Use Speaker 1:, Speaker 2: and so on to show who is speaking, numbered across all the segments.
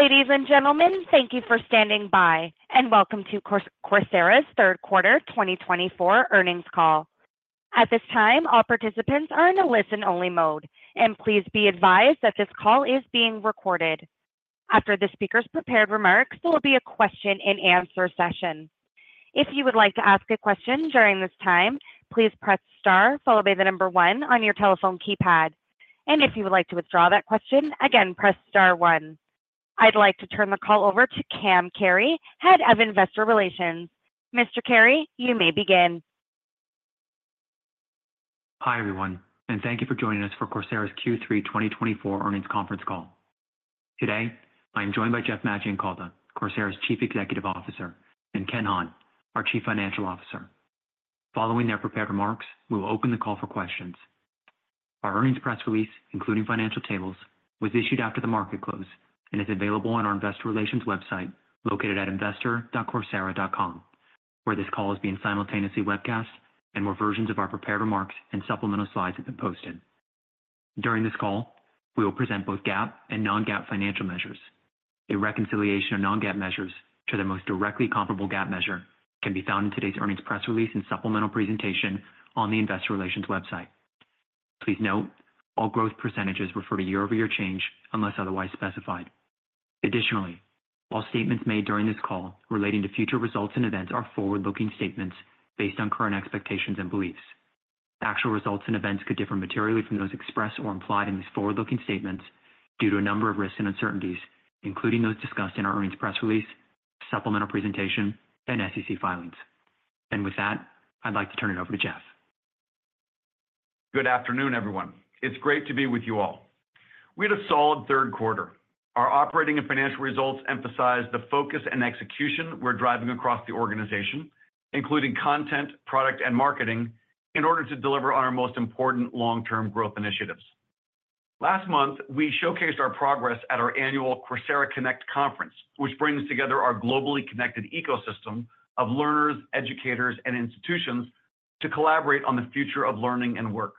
Speaker 1: Ladies and gentlemen, thank you for standing by, and welcome to Coursera's third quarter 2024 earnings call. At this time, all participants are in a listen-only mode, and please be advised that this call is being recorded. After the speaker's prepared remarks, there will be a question and answer session. If you would like to ask a question during this time, please press star followed by the number one on your telephone keypad. And if you would like to withdraw that question, again, press star one. I'd like to turn the call over to Cam Carey, Head of Investor Relations. Mr. Carey, you may begin.
Speaker 2: Hi, everyone, and thank you for joining us for Coursera's Q3 2024 earnings conference call. Today, I am joined by Jeff Maggioncalda, Coursera's Chief Executive Officer, and Ken Hahn, our Chief Financial Officer. Following their prepared remarks, we will open the call for questions. Our earnings press release, including financial tables, was issued after the market close and is available on our investor relations website, located at investor.coursera.com, where this call is being simultaneously webcast and where versions of our prepared remarks and supplemental slides have been posted. During this call, we will present both GAAP and non-GAAP financial measures. A reconciliation of non-GAAP measures to the most directly comparable GAAP measure can be found in today's earnings press release and supplemental presentation on the investor relations website. Please note, all growth percentages refer to year-over-year change unless otherwise specified. Additionally, all statements made during this call relating to future results and events are forward-looking statements based on current expectations and beliefs. Actual results and events could differ materially from those expressed or implied in these forward-looking statements due to a number of risks and uncertainties, including those discussed in our earnings press release, supplemental presentation, and SEC filings. And with that, I'd like to turn it over to Jeff.
Speaker 3: Good afternoon, everyone. It's great to be with you all. We had a solid third quarter. Our operating and financial results emphasize the focus and execution we're driving across the organization, including content, product, and marketing, in order to deliver on our most important long-term growth initiatives. Last month, we showcased our progress at our annual Coursera Connect conference, which brings together our globally connected ecosystem of learners, educators, and institutions to collaborate on the future of learning and work.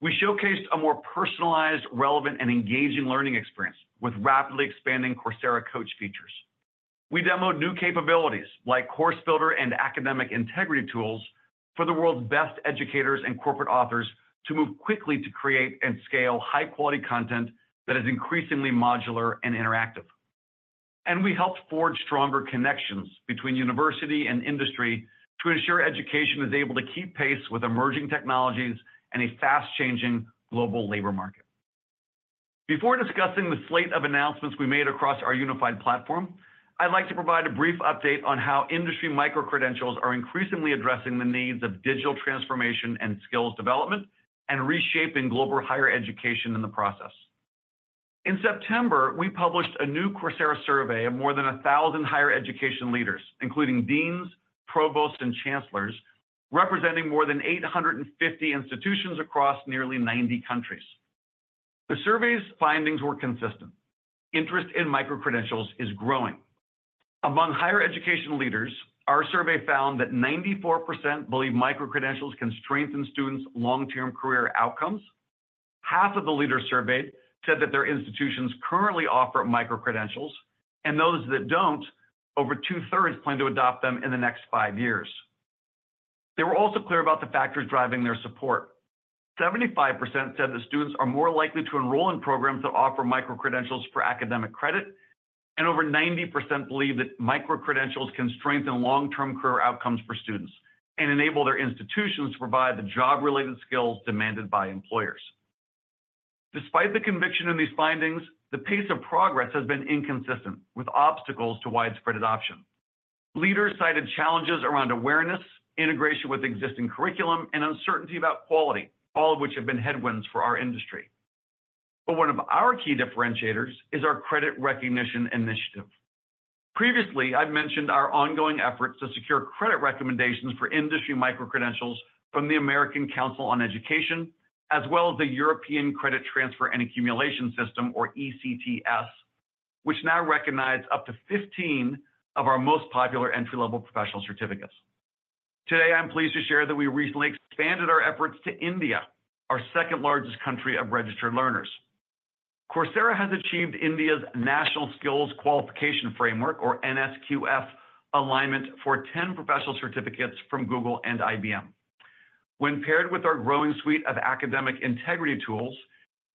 Speaker 3: We showcased a more personalized, relevant, and engaging learning experience with rapidly expanding Coursera Coach features. We demoed new capabilities like Course Builder and academic integrity tools for the world's best educators and corporate authors to move quickly to create and scale high-quality content that is increasingly modular and interactive. We helped forge stronger connections between university and industry to ensure education is able to keep pace with emerging technologies and a fast-changing global labor market. Before discussing the slate of announcements we made across our unified platform, I'd like to provide a brief update on how industry microcredentials are increasingly addressing the needs of digital transformation and skills development and reshaping global higher education in the process. In September, we published a new Coursera survey of more than 1,000 higher education leaders, including deans, provosts, and chancellors, representing more than 850 institutions across nearly 90 countries. The survey's findings were consistent. Interest in microcredentials is growing. Among higher education leaders, our survey found that 94% believe microcredentials can strengthen students' long-term career outcomes. Half of the leaders surveyed said that their institutions currently offer microcredentials, and those that don't, over 2/3 plan to adopt them in the next five years. They were also clear about the factors driving their support. 75% said that students are more likely to enroll in programs that offer microcredentials for academic credit, and over 90% believe that microcredentials can strengthen long-term career outcomes for students and enable their institutions to provide the job-related skills demanded by employers. Despite the conviction in these findings, the pace of progress has been inconsistent, with obstacles to widespread adoption. Leaders cited challenges around awareness, integration with existing curriculum, and uncertainty about quality, all of which have been headwinds for our industry. But one of our key differentiators is our credit recognition initiative. Previously, I've mentioned our ongoing efforts to secure credit recommendations for industry microcredentials from the American Council on Education, as well as the European Credit Transfer and Accumulation System, or ECTS, which now recognize up to 15 of our most popular entry-level professional certificates. Today, I'm pleased to share that we recently expanded our efforts to India, our second-largest country of registered learners. Coursera has achieved India's National Skills Qualification Framework, or NSQF, alignment for 10 professional certificates from Google and IBM. When paired with our growing suite of academic integrity tools,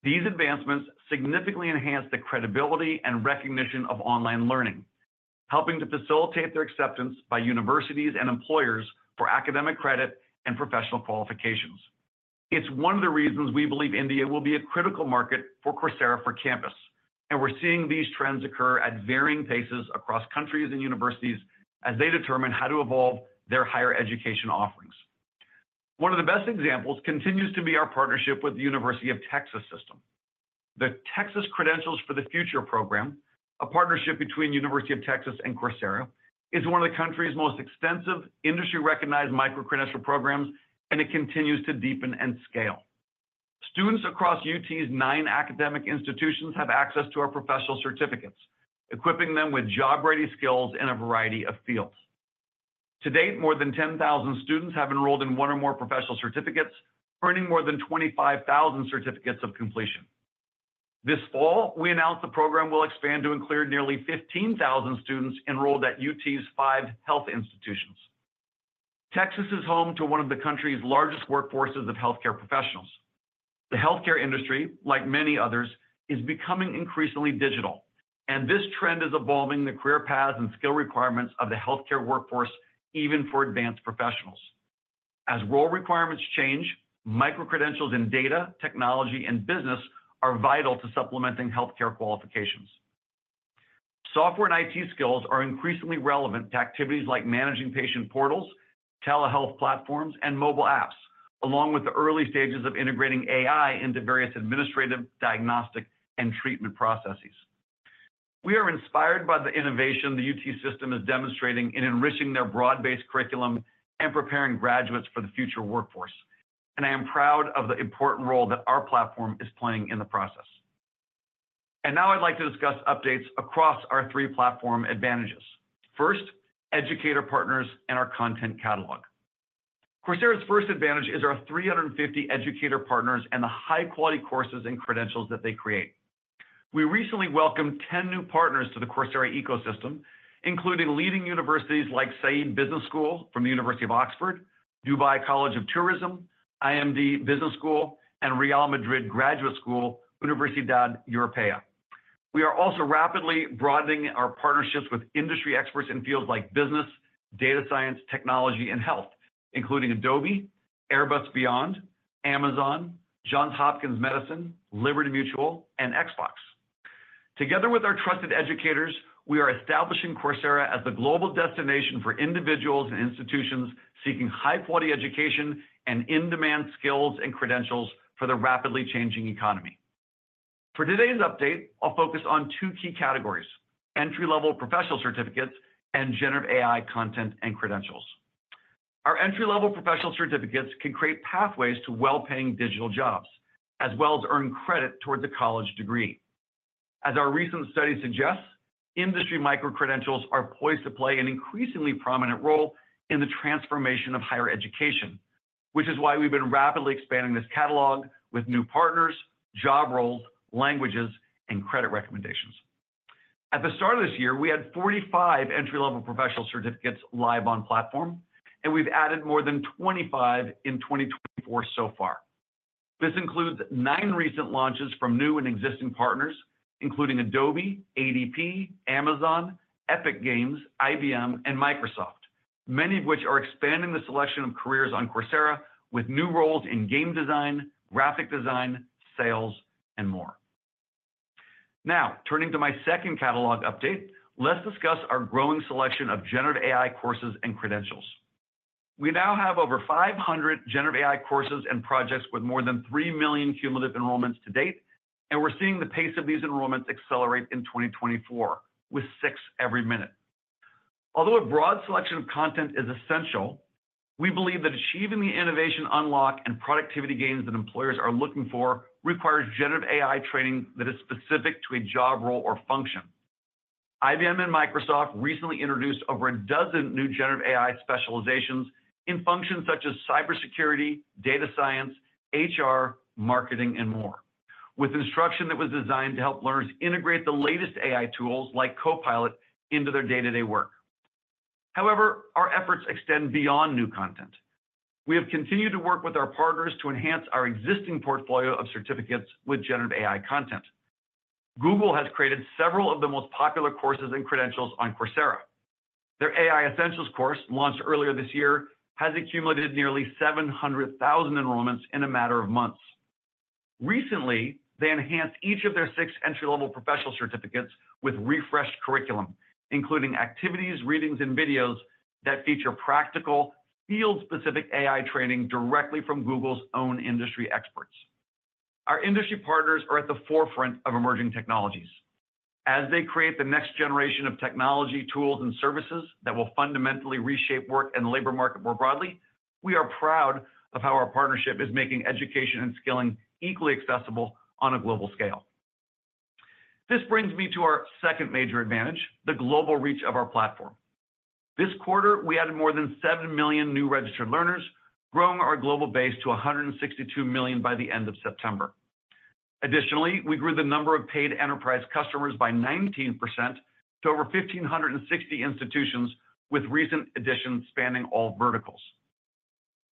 Speaker 3: these advancements significantly enhance the credibility and recognition of online learning, helping to facilitate their acceptance by universities and employers for academic credit and professional qualifications. It's one of the reasons we believe India will be a critical market for Coursera for Campus, and we're seeing these trends occur at varying paces across countries and universities as they determine how to evolve their higher education offerings. One of the best examples continues to be our partnership with the University of Texas System. The Texas Credentials for the Future program, a partnership between University of Texas System and Coursera, is one of the country's most extensive industry-recognized microcredential programs, and it continues to deepen and scale. Students across UT's nine academic institutions have access to our professional certificates, equipping them with job-ready skills in a variety of fields. To date, more than 10,000 students have enrolled in one or more professional certificates, earning more than 25,000 certificates of completion. This fall, we announced the program will expand to include nearly 15,000 students enrolled at UT's five health institutions. Texas is home to one of the country's largest workforces of healthcare professionals. The healthcare industry, like many others, is becoming increasingly digital, and this trend is evolving the career paths and skill requirements of the healthcare workforce, even for advanced professionals. As role requirements change, micro-credentials in data, technology, and business are vital to supplementing healthcare qualifications. Software and IT skills are increasingly relevant to activities like managing patient portals, telehealth platforms, and mobile apps, along with the early stages of integrating AI into various administrative, diagnostic, and treatment processes. We are inspired by the innovation the UT System is demonstrating in enriching their broad-based curriculum and preparing graduates for the future workforce, and I am proud of the important role that our platform is playing in the process. Now I'd like to discuss updates across our three platform advantages. First, educator partners and our content catalog. Coursera's first advantage is our three hundred and fifty educator partners and the high-quality courses and credentials that they create. We recently welcomed ten new partners to the Coursera ecosystem, including leading universities like Saïd Business School from the University of Oxford, Dubai College of Tourism, IMD Business School, and Real Madrid Graduate School, Universidad Europea. We are also rapidly broadening our partnerships with industry experts in fields like business, data science, technology, and health, including Adobe, Airbus Beyond, Amazon, Johns Hopkins Medicine, Liberty Mutual, and Xbox. Together with our trusted educators, we are establishing Coursera as the global destination for individuals and institutions seeking high-quality education and in-demand skills and credentials for the rapidly changing economy. For today's update, I'll focus on two key categories: entry-level professional certificates and generative AI content and credentials. Our entry-level professional certificates can create pathways to well-paying digital jobs, as well as earn credit towards a college degree. As our recent study suggests, industry micro-credentials are poised to play an increasingly prominent role in the transformation of higher education, which is why we've been rapidly expanding this catalog with new partners, job roles, languages, and credit recommendations. At the start of this year, we had 45 entry-level professional certificates live on platform, and we've added more than 25 in 2024 so far. This includes nine recent launches from new and existing partners, including Adobe, ADP, Amazon, Epic Games, IBM, and Microsoft, many of which are expanding the selection of careers on Coursera with new roles in game design, graphic design, sales, and more. Now, turning to my second catalog update, let's discuss our growing selection of generative AI courses and credentials. We now have over 500 generative AI courses and projects with more than 3 million cumulative enrollments to date, and we're seeing the pace of these enrollments accelerate in 2024, with six every minute. Although a broad selection of content is essential, we believe that achieving the innovation unlock and productivity gains that employers are looking for requires generative AI training that is specific to a job role or function. IBM and Microsoft recently introduced over a dozen new generative AI specializations in functions such as cybersecurity, data science, HR, marketing, and more, with instruction that was designed to help learners integrate the latest AI tools, like Copilot, into their day-to-day work. However, our efforts extend beyond new content. We have continued to work with our partners to enhance our existing portfolio of certificates with generative AI content. Google has created several of the most popular courses and credentials on Coursera. Their AI Essentials course, launched earlier this year, has accumulated nearly 700,000 enrollments in a matter of months. Recently, they enhanced each of their six entry-level professional certificates with refreshed curriculum, including activities, readings, and videos that feature practical, field-specific AI training directly from Google's own industry experts. Our industry partners are at the forefront of emerging technologies. As they create the next generation of technology, tools, and services that will fundamentally reshape work and the labor market more broadly, we are proud of how our partnership is making education and skilling equally accessible on a global scale. This brings me to our second major advantage, the global reach of our platform. This quarter, we added more than 7 million new registered learners, growing our global base to 162 million by the end of September. Additionally, we grew the number of paid enterprise customers by 19% to over 1,560 institutions, with recent additions spanning all verticals.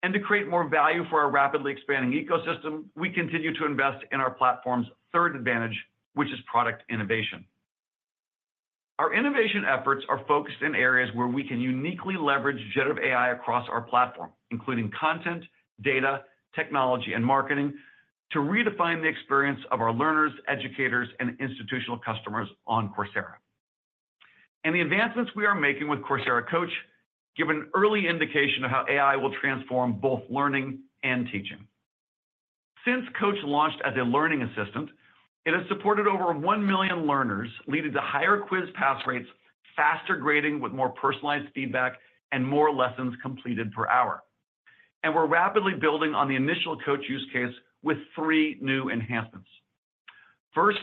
Speaker 3: And to create more value for our rapidly expanding ecosystem, we continue to invest in our platform's third advantage, which is product innovation. Our innovation efforts are focused in areas where we can uniquely leverage generative AI across our platform, including content, data, technology, and marketing, to redefine the experience of our learners, educators, and institutional customers on Coursera. And the advancements we are making with Coursera Coach give an early indication of how AI will transform both learning and teaching. Since Coach launched as a learning assistant, it has supported over one million learners, leading to higher quiz pass rates, faster grading with more personalized feedback, and more lessons completed per hour and we're rapidly building on the initial Coach use case with three new enhancements. First,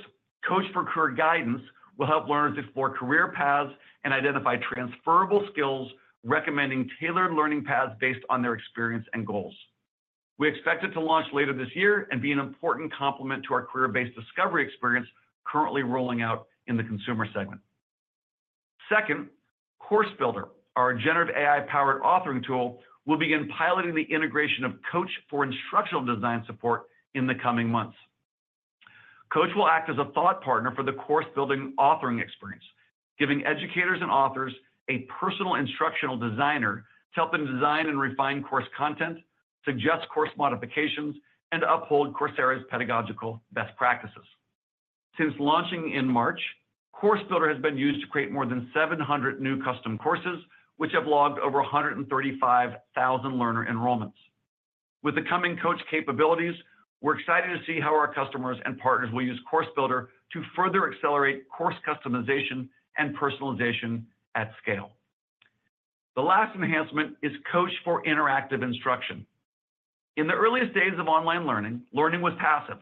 Speaker 3: Coach for Career Guidance will help learners explore career paths and identify transferable skills, recommending tailored learning paths based on their experience and goals. We expect it to launch later this year and be an important complement to our career-based discovery experience currently rolling out in the consumer segment. Second, Course Builder, our generative AI-powered authoring tool, will begin piloting the integration of Coach for instructional design support in the coming months. Coach will act as a thought partner for the course-building authoring experience, giving educators and authors a personal instructional designer to help them design and refine course content, suggest course modifications, and uphold Coursera's pedagogical best practices. Since launching in March, Course Builder has been used to create more than 700 new custom courses, which have logged over 135,000 learner enrollments. With the coming Coach capabilities, we're excited to see how our customers and partners will use Course Builder to further accelerate course customization and personalization at scale. The last enhancement is Coach for Interactive Instruction. In the earliest days of online learning, learning was passive,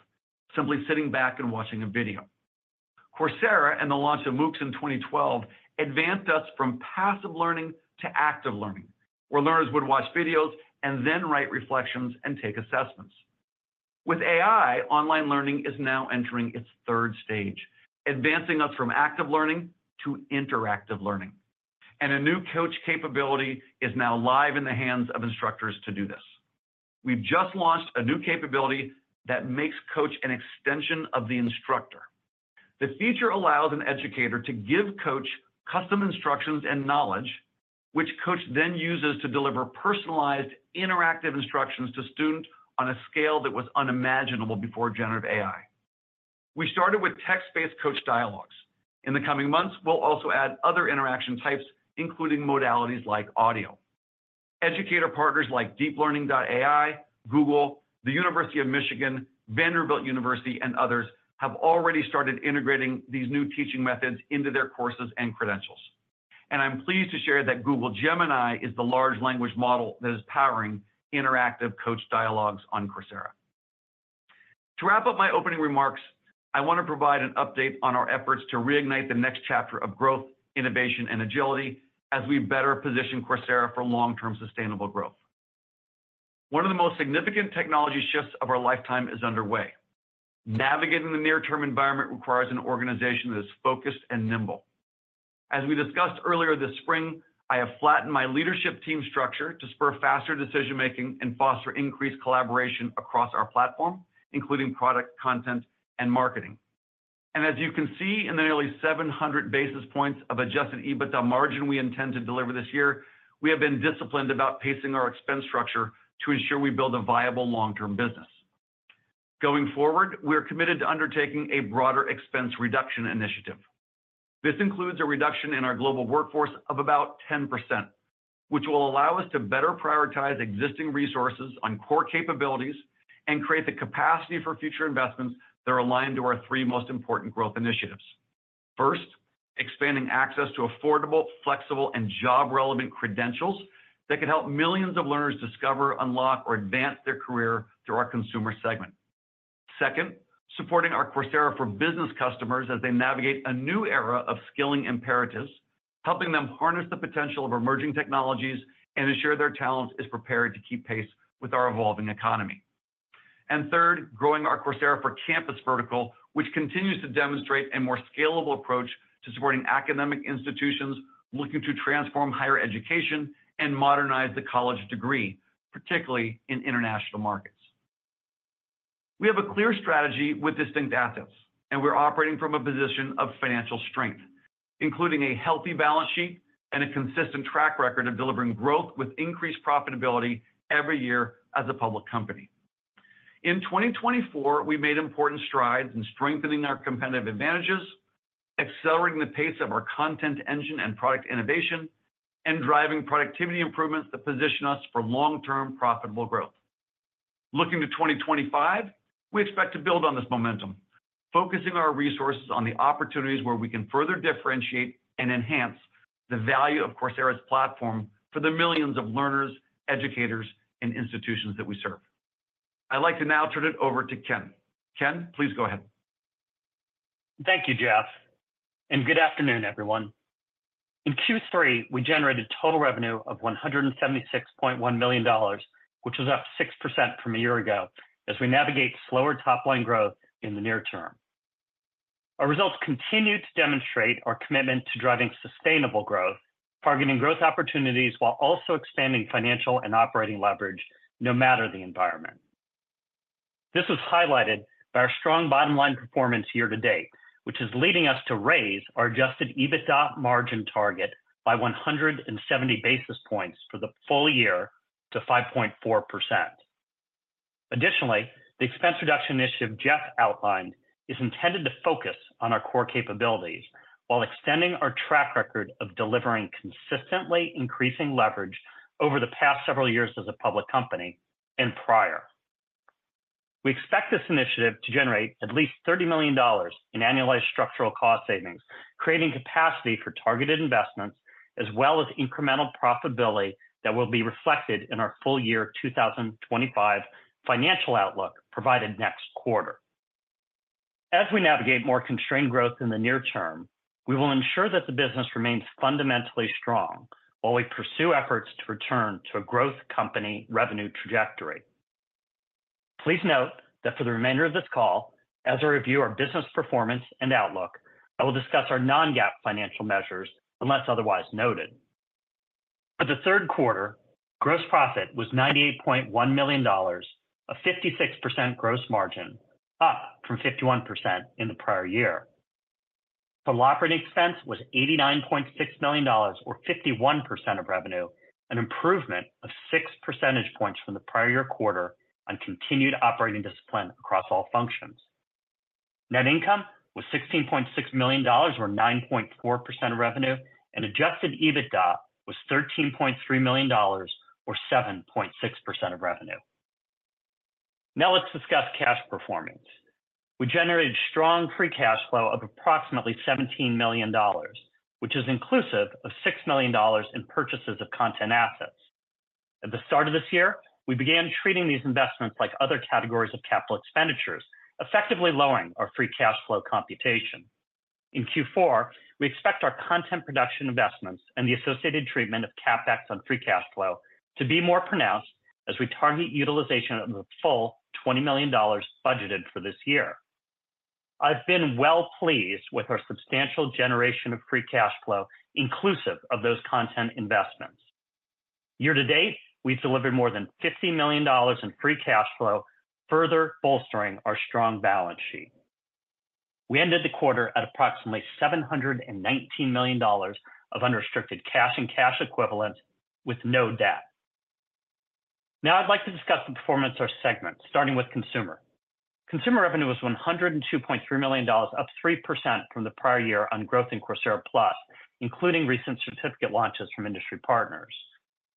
Speaker 3: simply sitting back and watching a video. Coursera and the launch of MOOCs in 2012 advanced us from passive learning to active learning, where learners would watch videos and then write reflections and take assessments. With AI, online learning is now entering its third stage, advancing us from active learning to interactive learning, and a new Coach capability is now live in the hands of instructors to do this. We've just launched a new capability that makes Coach an extension of the instructor. The feature allows an educator to give Coach custom instructions and knowledge, which Coach then uses to deliver personalized, interactive instructions to students on a scale that was unimaginable before generative AI. We started with text-based Coach dialogues. In the coming months, we'll also add other interaction types, including modalities like audio. Educator partners like DeepLearning.AI, Google, the University of Michigan, Vanderbilt University, and others have already started integrating these new teaching methods into their courses and credentials, and I'm pleased to share that Google Gemini is the large language model that is powering interactive Coach dialogues on Coursera. To wrap up my opening remarks, I want to provide an update on our efforts to reignite the next chapter of growth, innovation, and agility as we better position Coursera for long-term sustainable growth. One of the most significant technology shifts of our lifetime is underway. Navigating the near-term environment requires an organization that is focused and nimble. As we discussed earlier this spring, I have flattened my leadership team structure to spur faster decision-making and foster increased collaboration across our platform, including product, content, and marketing. And as you can see in the nearly seven hundred basis points of adjusted EBITDA margin we intend to deliver this year, we have been disciplined about pacing our expense structure to ensure we build a viable long-term business. Going forward, we are committed to undertaking a broader expense reduction initiative. This includes a reduction in our global workforce of about 10%, which will allow us to better prioritize existing resources on core capabilities and create the capacity for future investments that are aligned to our three most important growth initiatives. First, expanding access to affordable, flexible, and job-relevant credentials that can help millions of learners discover, unlock, or advance their career through our consumer segment. Second, supporting our Coursera for Business customers as they navigate a new era of skilling imperatives, helping them harness the potential of emerging technologies and ensure their talent is prepared to keep pace with our evolving economy. And third, growing our Coursera for Campus vertical, which continues to demonstrate a more scalable approach to supporting academic institutions looking to transform higher education and modernize the college degree, particularly in international markets. We have a clear strategy with distinct assets, and we're operating from a position of financial strength, including a healthy balance sheet and a consistent track record of delivering growth with increased profitability every year as a public company. In 2024, we made important strides in strengthening our competitive advantages, accelerating the pace of our content engine and product innovation, and driving productivity improvements that position us for long-term profitable growth. Looking to 2025, we expect to build on this momentum, focusing our resources on the opportunities where we can further differentiate and enhance the value of Coursera's platform for the millions of learners, educators, and institutions that we serve. I'd like to now turn it over to Ken. Ken, please go ahead.
Speaker 4: Thank you, Jeff, and good afternoon, everyone. In Q3, we generated total revenue of $176.1 million, which was up 6% from a year ago, as we navigate slower top-line growth in the near term. Our results continue to demonstrate our commitment to driving sustainable growth, targeting growth opportunities while also expanding financial and operating leverage, no matter the environment. This was highlighted by our strong bottom-line performance year to date, which is leading us to raise our adjusted EBITDA margin target by 170 basis points for the full year to 5.4%. Additionally, the expense reduction initiative Jeff outlined is intended to focus on our core capabilities while extending our track record of delivering consistently increasing leverage over the past several years as a public company and prior. We expect this initiative to generate at least $30 million in annualized structural cost savings, creating capacity for targeted investments, as well as incremental profitability that will be reflected in our full-year 2025 financial outlook provided next quarter. As we navigate more constrained growth in the near term, we will ensure that the business remains fundamentally strong while we pursue efforts to return to a growth company revenue trajectory. Please note that for the remainder of this call, as I review our business performance and outlook, I will discuss our non-GAAP financial measures, unless otherwise noted. For the third quarter, gross profit was $98.1 million, a 56% gross margin, up from 51% in the prior year. Operating expense was $89.6 million or 51% of revenue, an improvement of 6 percentage points from the prior year quarter on continued operating discipline across all functions. Net income was $16.6 million, or 9.4% of revenue, and adjusted EBITDA was $13.3 million or 7.6% of revenue. Now let's discuss cash performance. We generated strong free cash flow of approximately $17 million, which is inclusive of $6 million in purchases of content assets. At the start of this year, we began treating these investments like other categories of capital expenditures, effectively lowering our free cash flow computation. In Q4, we expect our content production investments and the associated treatment of CapEx on free cash flow to be more pronounced as we target utilization of the full $20 million budgeted for this year. I've been well pleased with our substantial generation of free cash flow, inclusive of those content investments. Year to date, we've delivered more than $50 million in free cash flow, further bolstering our strong balance sheet. We ended the quarter at approximately $719 million of unrestricted cash and cash equivalent, with no debt. Now I'd like to discuss the performance of our segments, starting with consumer. Consumer revenue was $102.3 million, up 3% from the prior year on growth in Coursera Plus, including recent certificate launches from industry partners.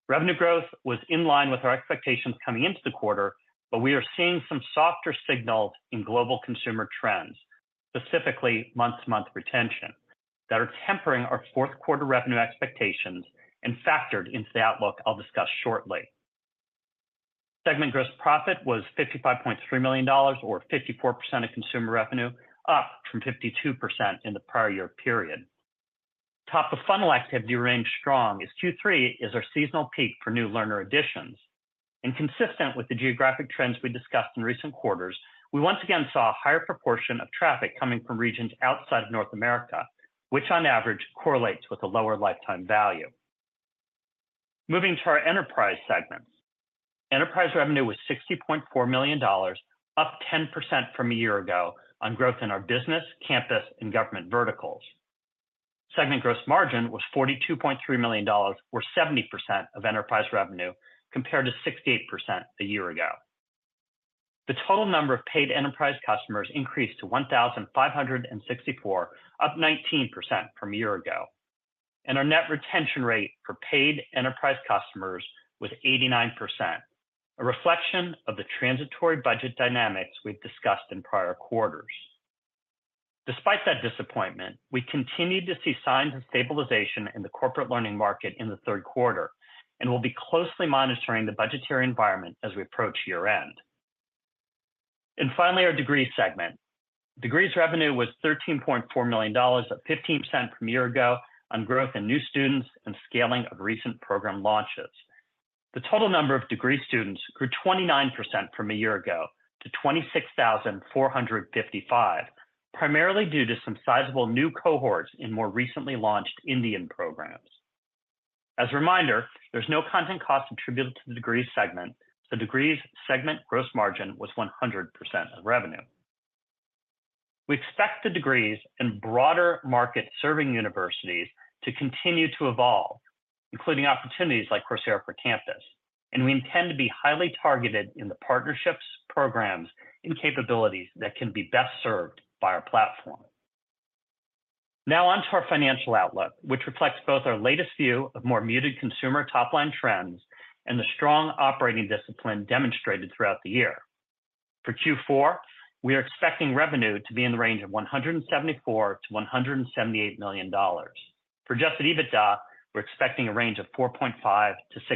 Speaker 4: Revenue growth was in line with our expectations coming into the quarter, but we are seeing some softer signals in global consumer trends, specifically month-to-month retention, that are tempering our fourth quarter revenue expectations and factored into the outlook I'll discuss shortly. Segment gross profit was $55.3 million, or 54% of consumer revenue, up from 52% in the prior year period. Top-of-funnel activity remained strong as Q3 is our seasonal peak for new learner additions, and consistent with the geographic trends we discussed in recent quarters, we once again saw a higher proportion of traffic coming from regions outside of North America, which on average correlates with a lower lifetime value. Moving to our enterprise segment. Enterprise revenue was $60.4 million, up 10% from a year ago on growth in our business, campus, and government verticals. Segment gross margin was $42.3 million or 70% of enterprise revenue, compared to 68% a year ago. The total number of paid enterprise customers increased to 1,564, up 19% from a year ago, and our net retention rate for paid enterprise customers was 89%, a reflection of the transitory budget dynamics we've discussed in prior quarters. Despite that disappointment, we continued to see signs of stabilization in the corporate learning market in the third quarter and will be closely monitoring the budgetary environment as we approach year-end. And finally, our degrees segment. Degrees revenue was $13.4 million, up 15% from a year ago on growth in new students and scaling of recent program launches. The total number of degree students grew 29% from a year ago to 26,455, primarily due to some sizable new cohorts in more recently launched Indian programs. As a reminder, there's no content cost attributed to the degrees segment, so degrees segment gross margin was 100% of revenue. We expect the degrees and broader market-serving universities to continue to evolve, including opportunities like Coursera for Campus, and we intend to be highly targeted in the partnerships, programs, and capabilities that can be best served by our platform. Now on to our financial outlook, which reflects both our latest view of more muted consumer top-line trends and the strong operating discipline demonstrated throughout the year. For Q4, we are expecting revenue to be in the range of $174 million-$178 million. For adjusted EBITDA, we're expecting a range of $4.5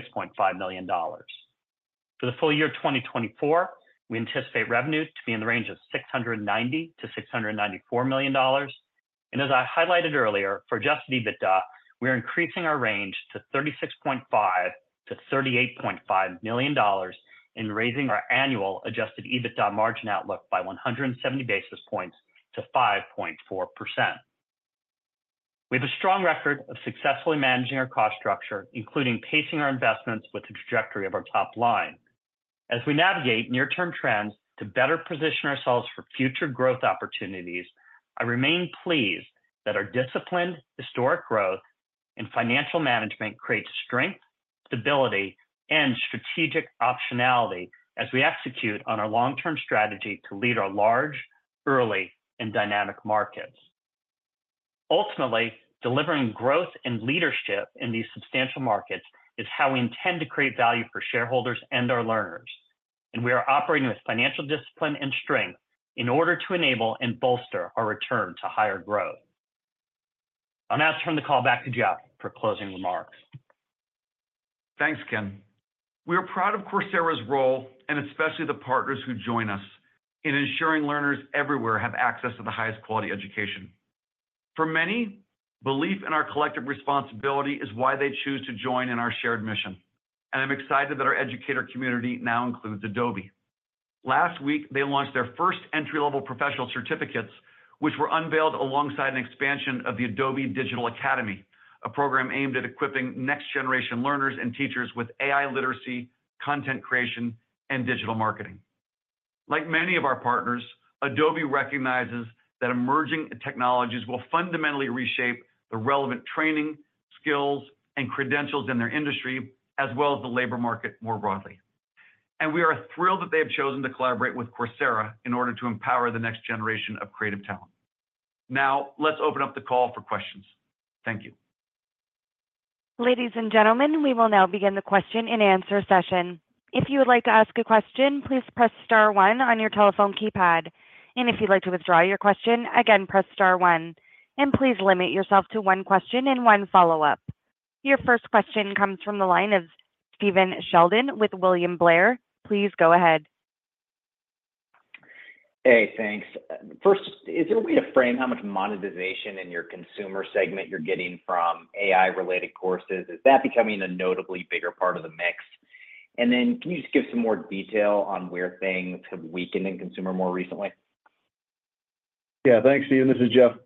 Speaker 4: million-$6.5 million. For the full year 2024, we anticipate revenues to be in the range of $690 million-$694 million. And as I highlighted earlier, for adjusted EBITDA, we are increasing our range to $36.5 million-$38.5 million and raising our annual adjusted EBITDA margin outlook by 170 basis points to 5.4%. We have a strong record of successfully managing our cost structure, including pacing our investments with the trajectory of our top line. As we navigate near-term trends to better position ourselves for future growth opportunities, I remain pleased that our disciplined historic growth and financial management creates strength, stability, and strategic optionality as we execute on our long-term strategy to lead our large, early, and dynamic markets. Ultimately, delivering growth and leadership in these substantial markets is how we intend to create value for shareholders and our learners, and we are operating with financial discipline and strength in order to enable and bolster our return to higher growth. I'll now turn the call back to Jeff for closing remarks.
Speaker 3: Thanks, Ken. We are proud of Coursera's role, and especially the partners who join us in ensuring learners everywhere have access to the highest quality education. For many, belief in our collective responsibility is why they choose to join in our shared mission, and I'm excited that our educator community now includes Adobe. Last week, they launched their first entry-level professional certificates, which were unveiled alongside an expansion of the Adobe Digital Academy, a program aimed at equipping next-generation learners and teachers with AI literacy, content creation, and digital marketing. Like many of our partners, Adobe recognizes that emerging technologies will fundamentally reshape the relevant training, skills, and credentials in their industry, as well as the labor market more broadly, and we are thrilled that they have chosen to collaborate with Coursera in order to empower the next generation of creative talent. Now, let's open up the call for questions. Thank you.
Speaker 1: Ladies and gentlemen, we will now begin the question-and-answer session. If you would like to ask a question, please press star one on your telephone keypad. If you'd like to withdraw your question, again, press star one. Please limit yourself to one question and one follow-up. Your first question comes from the line of Stephen Sheldon with William Blair. Please go ahead.
Speaker 5: Hey, thanks. First, is there a way to frame how much monetization in your consumer segment you're getting from AI-related courses? Is that becoming a notably bigger part of the mix? And then can you just give some more detail on where things have weakened in consumer more recently?
Speaker 3: Yeah. Thanks, Stephen. This is Jeff.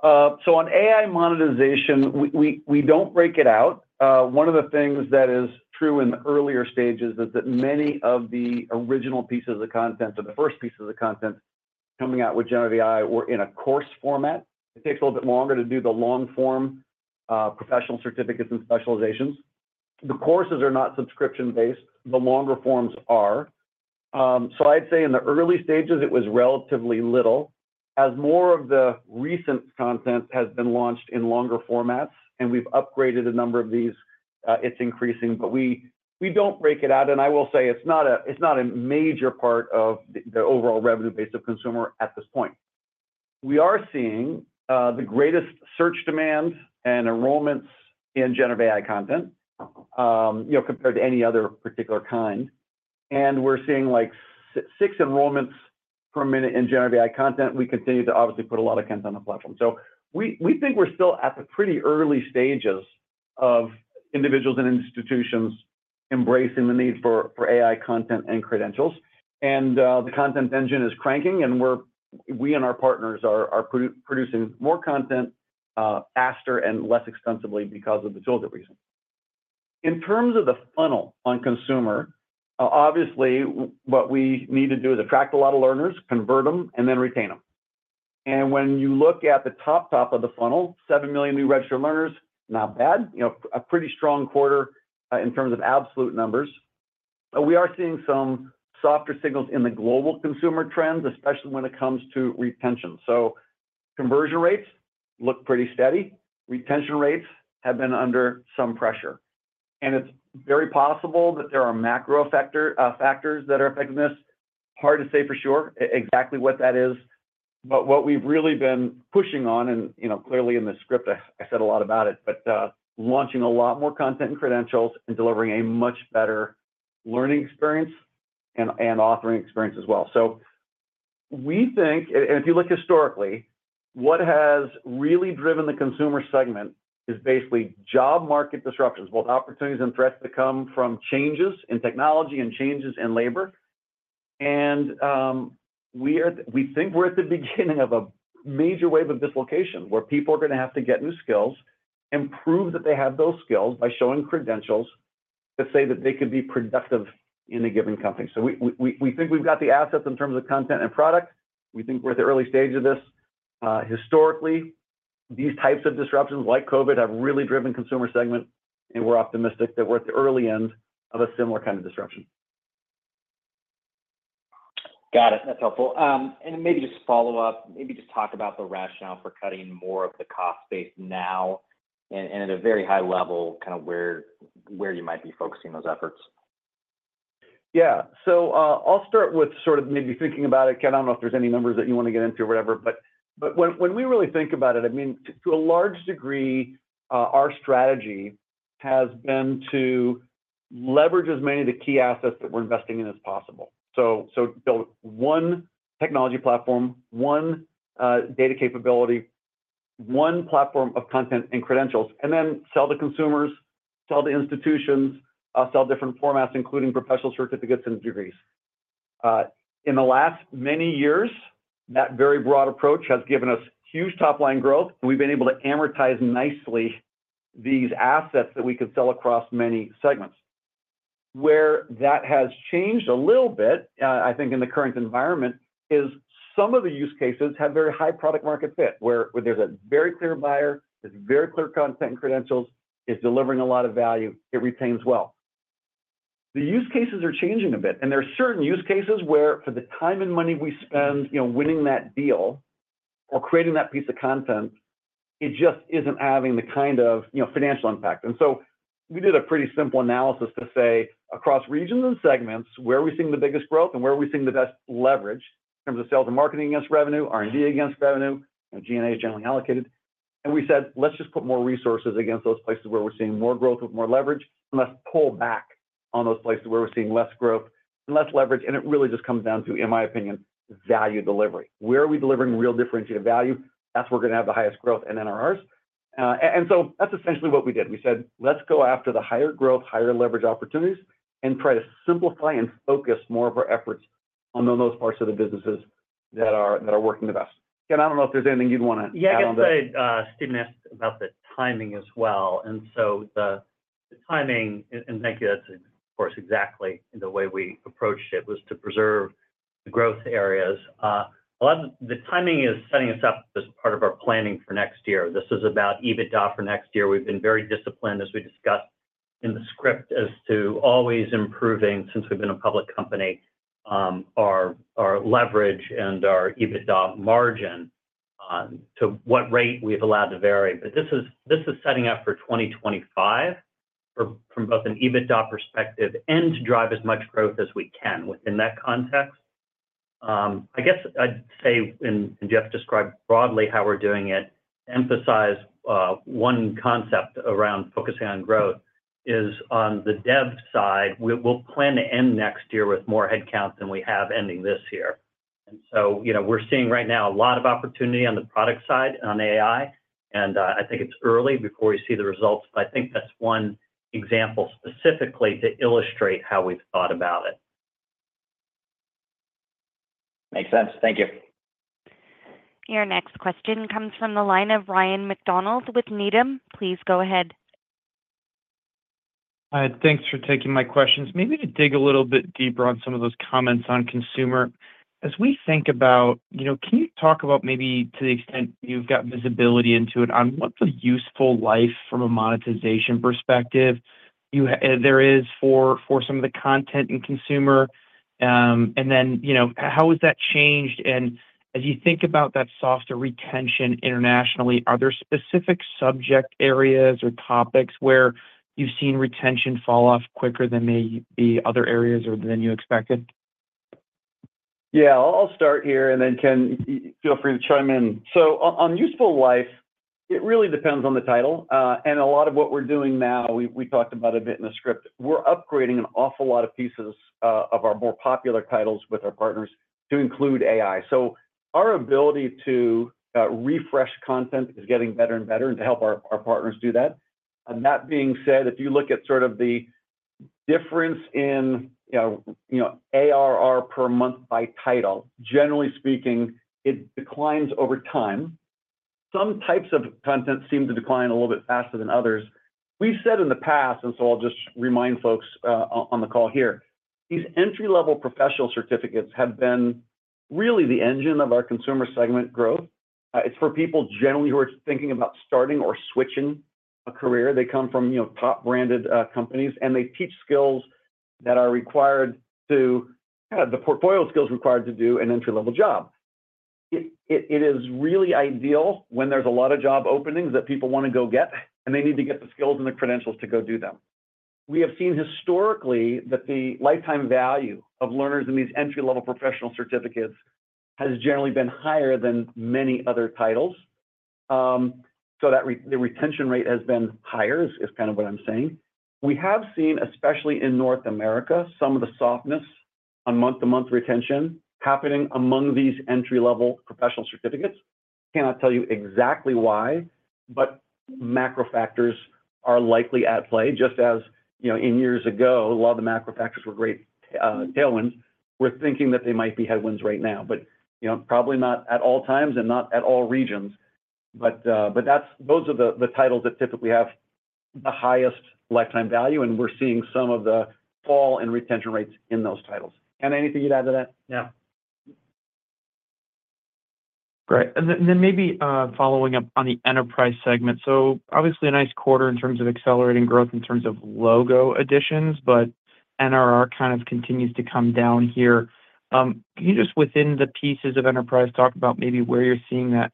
Speaker 3: So on AI monetization, we don't break it out. One of the things that is true in the earlier stages is that many of the original pieces of content or the first pieces of content coming out with GenAI were in a course format. It takes a little bit longer to do the long-form, professional certificates and specializations. The courses are not subscription-based, the longer forms are. So I'd say in the early stages, it was relatively little. As more of the recent content has been launched in longer formats, and we've upgraded a number of these, it's increasing. But we don't break it out, and I will say it's not a major part of the overall revenue base of consumer at this point. We are seeing the greatest search demands and enrollments in GenAI content, you know, compared to any other particular kind, and we're seeing like six enrollments per minute in GenAI content. We continue to obviously put a lot of content on the platform. So we think we're still at the pretty early stages of individuals and institutions embracing the need for AI content and credentials. And the content engine is cranking, and we and our partners are producing more content faster and less expensively because of the tool that we're using. In terms of the funnel on consumer, obviously what we need to do is attract a lot of learners, convert them, and then retain them. And when you look at the top of the funnel, seven million new registered learners, not bad. You know, a pretty strong quarter in terms of absolute numbers. But we are seeing some softer signals in the global consumer trends, especially when it comes to retention. So conversion rates look pretty steady. Retention rates have been under some pressure, and it's very possible that there are macro factors that are affecting this. Hard to say for sure exactly what that is. But what we've really been pushing on, and you know, clearly in the script, I said a lot about it, but launching a lot more content and credentials and delivering a much better learning experience and authoring experience as well. So we think, and if you look historically, what has really driven the consumer segment is basically job market disruptions, both opportunities and threats that come from changes in technology and changes in labor. We think we're at the beginning of a major wave of dislocation, where people are going to have to get new skills and prove that they have those skills by showing credentials that say that they could be productive in a given company. So we think we've got the assets in terms of content and product. We think we're at the early stage of this. Historically, these types of disruptions, like COVID, have really driven consumer segment, and we're optimistic that we're at the early end of a similar kind of disruption.
Speaker 5: Got it. That's helpful. And maybe just to follow up, talk about the rationale for cutting more of the cost base now and at a very high level, kind of where you might be focusing those efforts.
Speaker 3: Yeah. So, I'll start with sort of maybe thinking about it. Ken, I don't know if there's any numbers that you want to get into or whatever, but when we really think about it, I mean, to a large degree, our strategy has been to leverage as many of the key assets that we're investing in as possible, so build one technology platform, one data capability, one platform of content and credentials, and then sell to consumers, sell to institutions, sell different formats, including professional certificates and degrees. In the last many years, that very broad approach has given us huge top-line growth, and we've been able to amortize nicely these assets that we could sell across many segments. Where that has changed a little bit, I think in the current environment, is some of the use cases have very high product market fit, where there's a very clear buyer, there's very clear content and credentials, it's delivering a lot of value, it retains well. The use cases are changing a bit, and there are certain use cases where, for the time and money we spend, you know, winning that deal or creating that piece of content, it just isn't having the kind of, you know, financial impact. And so we did a pretty simple analysis to say, across regions and segments, where are we seeing the biggest growth and where are we seeing the best leverage in terms of sales and marketing against revenue, R&D against revenue, and G&A is generally allocated? And we said, "Let's just put more resources against those places where we're seeing more growth with more leverage, and let's pull back on those places where we're seeing less growth and less leverage." And it really just comes down to, in my opinion, value delivery. Where are we delivering real differentiated value? That's where we're gonna have the highest growth in NRRs. And so that's essentially what we did. We said, "Let's go after the higher growth, higher leverage opportunities, and try to simplify and focus more of our efforts on those parts of the businesses that are working the best." Ken, I don't know if there's anything you'd wanna add on that?
Speaker 4: Yeah, I'd say Stephen asked about the timing as well, and so the timing, and thank you, that's, of course, exactly the way we approached it, was to preserve the growth areas. A lot of the timing is setting us up as part of our planning for next year. This is about EBITDA for next year. We've been very disciplined, as we discussed in the script, as to always improving, since we've been a public company, our leverage and our EBITDA margin, on to what rate we've allowed to vary. But this is setting up for twenty twenty-five from both an EBITDA perspective, and to drive as much growth as we can within that context. I guess I'd say, and Jeff described broadly how we're doing it, emphasize one concept around focusing on growth, is on the dev side, we'll plan to end next year with more headcounts than we have ending this year. And so, you know, we're seeing right now a lot of opportunity on the product side, on AI, and I think it's early before we see the results, but I think that's one example, specifically to illustrate how we've thought about it.
Speaker 5: Makes sense. Thank you.
Speaker 1: Your next question comes from the line of Ryan MacDonald with Needham. Please go ahead.
Speaker 6: Hi, thanks for taking my questions. Maybe to dig a little bit deeper on some of those comments on consumer. As we think about, you know, can you talk about, maybe to the extent you've got visibility into it, on what the useful life from a monetization perspective there is for, for some of the content in consumer. And then, you know, how has that changed? And as you think about that softer retention internationally, are there specific subject areas or topics where you've seen retention fall off quicker than maybe other areas or than you expected?
Speaker 3: Yeah, I'll start here, and then, Ken, feel free to chime in. So on useful life, it really depends on the title. And a lot of what we're doing now, we talked about a bit in the script, we're upgrading an awful lot of pieces of our more popular titles with our partners to include AI. So our ability to refresh content is getting better and better, and to help our partners do that. And that being said, if you look at sort of the difference in, you know, ARR per month by title, generally speaking, it declines over time. Some types of content seem to decline a little bit faster than others. We've said in the past, and so I'll just remind folks on the call here, these entry-level professional certificates have been really the engine of our consumer segment growth. It's for people generally who are thinking about starting or switching a career. They come from, you know, top-branded companies, and they teach skills that are required to the portfolio skills required to do an entry-level job. It is really ideal when there's a lot of job openings that people want to go get, and they need to get the skills and the credentials to go do them. We have seen historically that the lifetime value of learners in these entry-level professional certificates has generally been higher than many other titles. So that the retention rate has been higher is kind of what I'm saying. We have seen, especially in North America, some of the softness on month-to-month retention happening among these entry-level professional certificates. Cannot tell you exactly why, but macro factors are likely at play, just as, you know, in years ago, a lot of the macro factors were great tailwinds. We're thinking that they might be headwinds right now, but, you know, probably not at all times and not at all regions. But that's those are the titles that typically have the highest lifetime value, and we're seeing some of the fall in retention rates in those titles. Ken, anything you'd add to that?
Speaker 4: No.
Speaker 6: Great. And then maybe, following up on the enterprise segment, so obviously a nice quarter in terms of accelerating growth, in terms of logo additions, but NRR kind of continues to come down here. Can you just, within the pieces of enterprise, talk about maybe where you're seeing that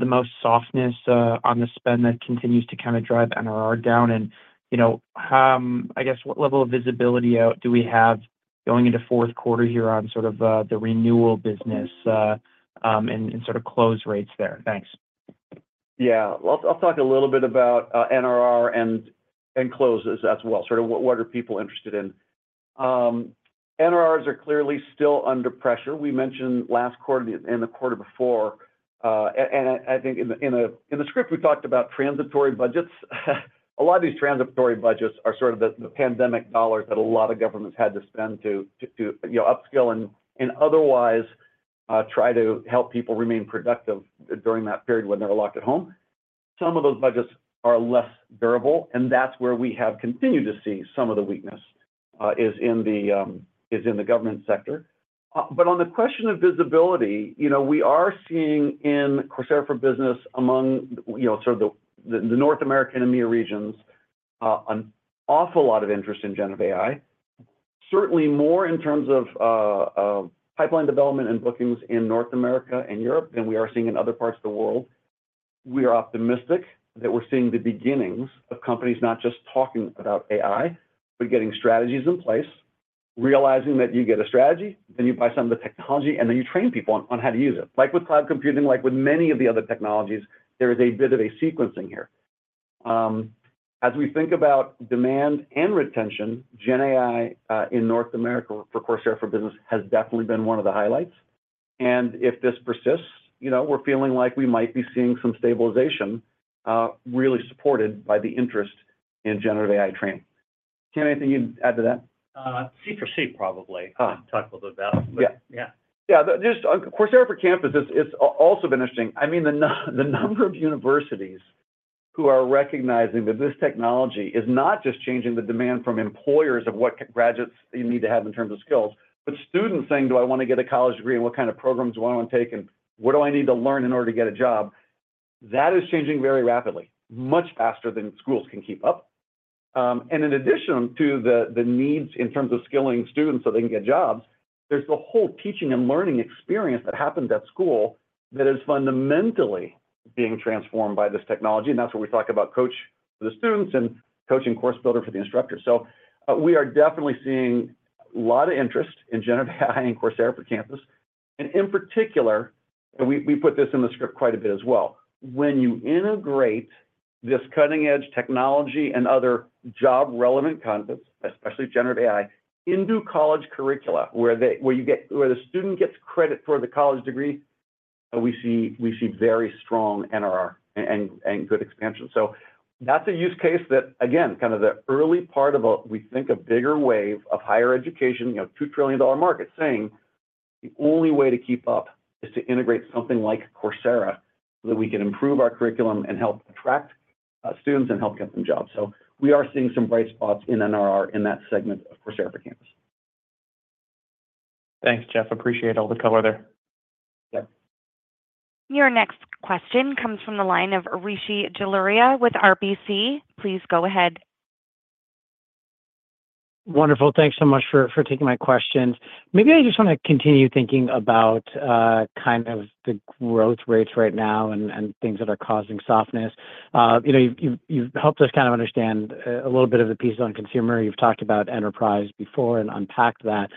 Speaker 6: the most softness on the spend that continues to kinda drive NRR down? And, you know, I guess, what level of visibility out do we have going into fourth quarter here on, sort of, the renewal business, and sort of close rates there? Thanks.
Speaker 3: Yeah, well, I'll talk a little bit about NRR and closes as well, sort of what are people interested in. NRR's are clearly still under pressure. We mentioned last quarter and the quarter before, and I think in the script, we talked about transitory budgets. A lot of these transitory budgets are sort of the pandemic dollars that a lot of governments had to spend to you know, upskill and otherwise try to help people remain productive during that period when they were locked at home. Some of those budgets are less durable, and that's where we have continued to see some of the weakness is in the government sector. But on the question of visibility, you know, we are seeing in Coursera for Business among, you know, sort of the North American EMEA regions, an awful lot of interest in GenAI. Certainly more in terms of pipeline development and bookings in North America and Europe than we are seeing in other parts of the world. We are optimistic that we're seeing the beginnings of companies not just talking about AI, but getting strategies in place, realizing that you get a strategy, then you buy some of the technology, and then you train people on how to use it. Like with cloud computing, like with many of the other technologies, there is a bit of a sequencing here. As we think about demand and retention, GenAI in North America for Coursera for Business has definitely been one of the highlights. And if this persists, you know, we're feeling like we might be seeing some stabilization, really supported by the interest in generative AI training. Ken, anything you'd add to that?
Speaker 4: C for C, probably.
Speaker 3: Ah.
Speaker 4: Talk a little bit about it.
Speaker 3: Yeah.
Speaker 4: Yeah.
Speaker 3: Yeah. There's Coursera for Campus is also been interesting. I mean, the number of universities who are recognizing that this technology is not just changing the demand from employers of what graduates you need to have in terms of skills, but students saying: "Do I want to get a college degree, and what kind of programs do I want to take, and what do I need to learn in order to get a job?" That is changing very rapidly, much faster than schools can keep up, and in addition to the needs in terms of skilling students so they can get jobs, there's the whole teaching and learning experience that happens at school that is fundamentally being transformed by this technology, and that's where we talk about Coursera Coach for the students and Course Builder for the instructors. So, we are definitely seeing a lot of interest in generative AI and Coursera for Campus. And in particular, we put this in the script quite a bit as well, when you integrate this cutting-edge technology and other job-relevant content, especially generative AI, into college curricula, where the student gets credit for the college degree, we see very strong NRR and good expansion. So that's a use case that, again, kind of the early part of a, we think, a bigger wave of higher education, you know, $2-trillion-dollar market saying the only way to keep up is to integrate something like Coursera, so that we can improve our curriculum and help attract, students and help get them jobs. So we are seeing some bright spots in NRR in that segment of Coursera for Campus.
Speaker 6: Thanks, Jeff. Appreciate all the color there.
Speaker 3: Yeah.
Speaker 1: Your next question comes from the line of Rishi Jaluria with RBC. Please go ahead.
Speaker 7: Wonderful. Thanks so much for taking my questions. Maybe I just want to continue thinking about kind of the growth rates right now and things that are causing softness. You know, you've helped us kind of understand a little bit of the pieces on consumer. You've talked about enterprise before and unpacked that.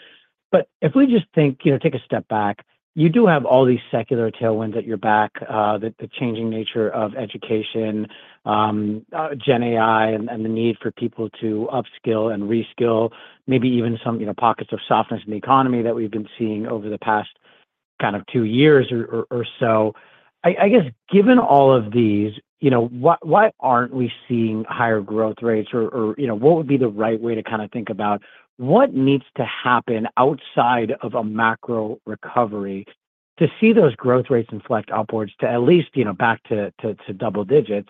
Speaker 7: But if we just think, you know, take a step back, you do have all these secular tailwinds at your back, the changing nature of education, GenAI and the need for people to upskill and reskill, maybe even some, you know, pockets of softness in the economy that we've been seeing over the past kind of two years or so. I guess, given all of these, you know, why aren't we seeing higher growth rates? You know, what would be the right way to kind of think about what needs to happen outside of a macro recovery to see those growth rates inflect upwards to at least, you know, back to double digits?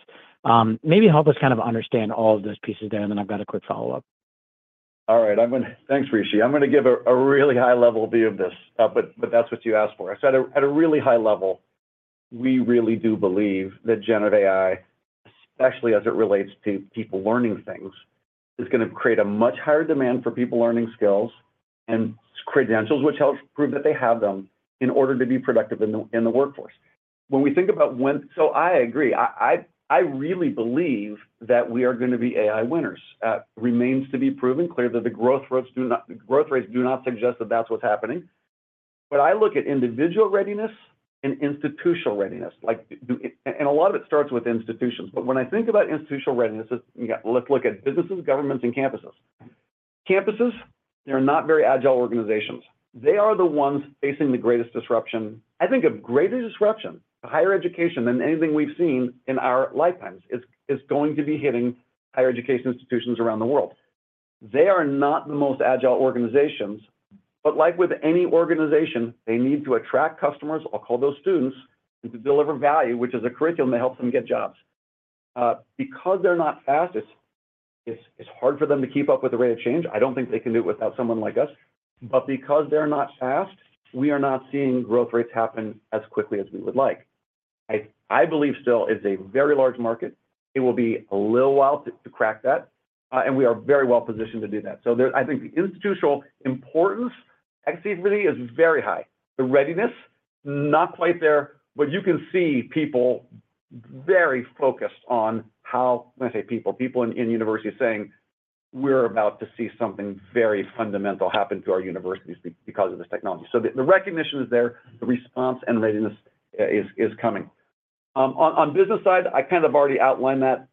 Speaker 7: Maybe help us kind of understand all of those pieces there, and then I've got a quick follow-up.
Speaker 3: All right, I'm gonna. Thanks, Rishi. I'm gonna give a really high-level view of this, but that's what you asked for. So at a really high level, we really do believe that generative AI, especially as it relates to people learning things, is gonna create a much higher demand for people learning skills and credentials, which helps prove that they have them in order to be productive in the workforce. So I agree, I really believe that we are going to be AI winners. Remains to be proven. Clearly, the growth rates do not suggest that that's what's happening. But I look at individual readiness and institutional readiness, like, do. And a lot of it starts with institutions, but when I think about institutional readiness, it's, you know, let's look at businesses, governments, and campuses. Campuses, they're not very agile organizations. They are the ones facing the greatest disruption. I think a greater disruption to higher education than anything we've seen in our lifetimes is going to be hitting higher education institutions around the world. They are not the most agile organizations, but like with any organization, they need to attract customers, I'll call those students, and to deliver value, which is a curriculum that helps them get jobs. Because they're not fast, it's hard for them to keep up with the rate of change. I don't think they can do it without someone like us, but because they're not fast, we are not seeing growth rates happen as quickly as we would like. I believe still it's a very large market. It will be a little while to crack that, and we are very well positioned to do that. So there I think the institutional importance, I can see it really is very high. The readiness, not quite there, but you can see people very focused on how. When I say people, people in universities saying: "We're about to see something very fundamental happen to our universities because of this technology." So the recognition is there, the response and readiness is coming. On business side, I kind of already outlined that.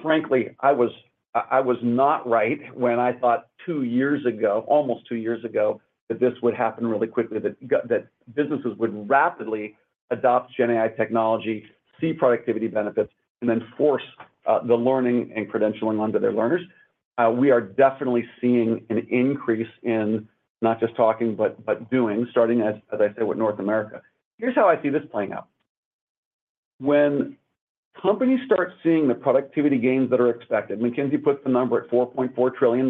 Speaker 3: Frankly, I was not right when I thought two years ago, almost two years ago, that this would happen really quickly, that businesses would rapidly adopt GenAI technology, see productivity benefits, and then force the learning and credentialing onto their learners. We are definitely seeing an increase in not just talking, but doing, starting as I said, with North America. Here's how I see this playing out. When companies start seeing the productivity gains that are expected, McKinsey puts the number at $4.4 trillion,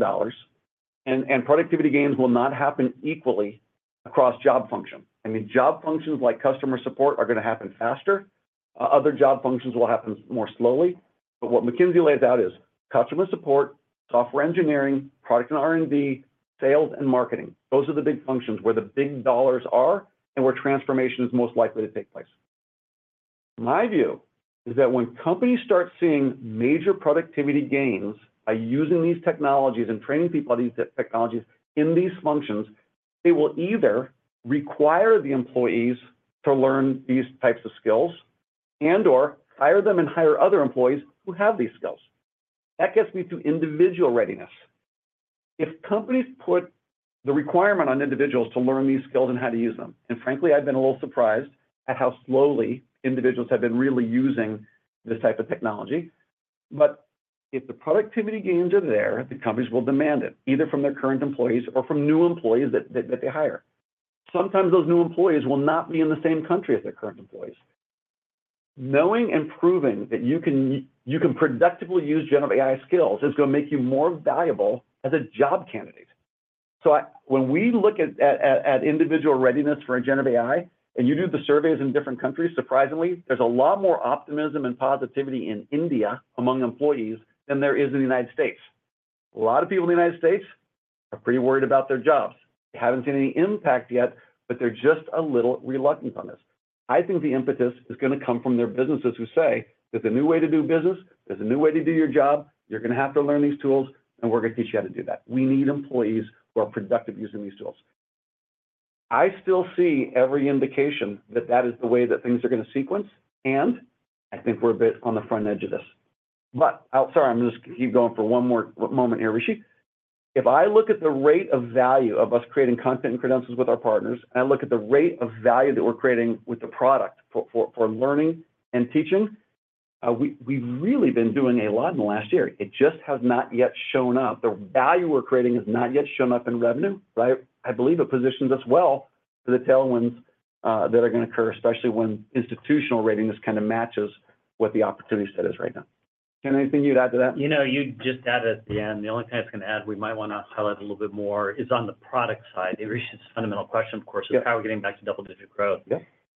Speaker 3: and productivity gains will not happen equally across job function. I mean, job functions like customer support are going to happen faster. Other job functions will happen more slowly, but what McKinsey lays out is customer support, software engineering, product and R&D, sales, and marketing. Those are the big functions, where the big dollars are and where transformation is most likely to take place. My view is that when companies start seeing major productivity gains by using these technologies and training people on these technologies in these functions, they will either require the employees to learn these types of skills and/or fire them and hire other employees who have these skills. That gets me to individual readiness. If companies put the requirement on individuals to learn these skills and how to use them, and frankly, I've been a little surprised at how slowly individuals have been really using this type of technology. But if the productivity gains are there, the companies will demand it, either from their current employees or from new employees that they hire. Sometimes those new employees will not be in the same country as their current employees. Knowing and proving that you can productively use GenAI skills is gonna make you more valuable as a job candidate, so when we look at individual readiness for a GenAI, and you do the surveys in different countries, surprisingly, there's a lot more optimism and positivity in India among employees than there is in the United States. A lot of people in the United States are pretty worried about their jobs. They haven't seen any impact yet, but they're just a little reluctant on this. I think the impetus is gonna come from their businesses who say, "There's a new way to do business. There's a new way to do your job. You're gonna have to learn these tools, and we're gonna teach you how to do that. We need employees who are productive using these tools." I still see every indication that that is the way that things are gonna sequence, and I think we're a bit on the front edge of this. 'm gonna just keep going for one more moment here, Rishi. If I look at the rate of value of us creating content and credentials with our partners, and I look at the rate of value that we're creating with the product for learning and teaching, we've really been doing a lot in the last year. It just has not yet shown up. The value we're creating has not yet shown up in revenue, right? I believe it positions us well for the tailwinds that are gonna occur, especially when institutional readiness kinda matches what the opportunity set is right now. Ken, anything you'd add to that?
Speaker 4: You know, you just added at the end, the only thing I was gonna add, we might wanna highlight a little bit more, is on the product side. It raises a fundamental question, of course-
Speaker 3: Yeah...
Speaker 4: of how we're getting back to double-digit growth.
Speaker 3: Yeah.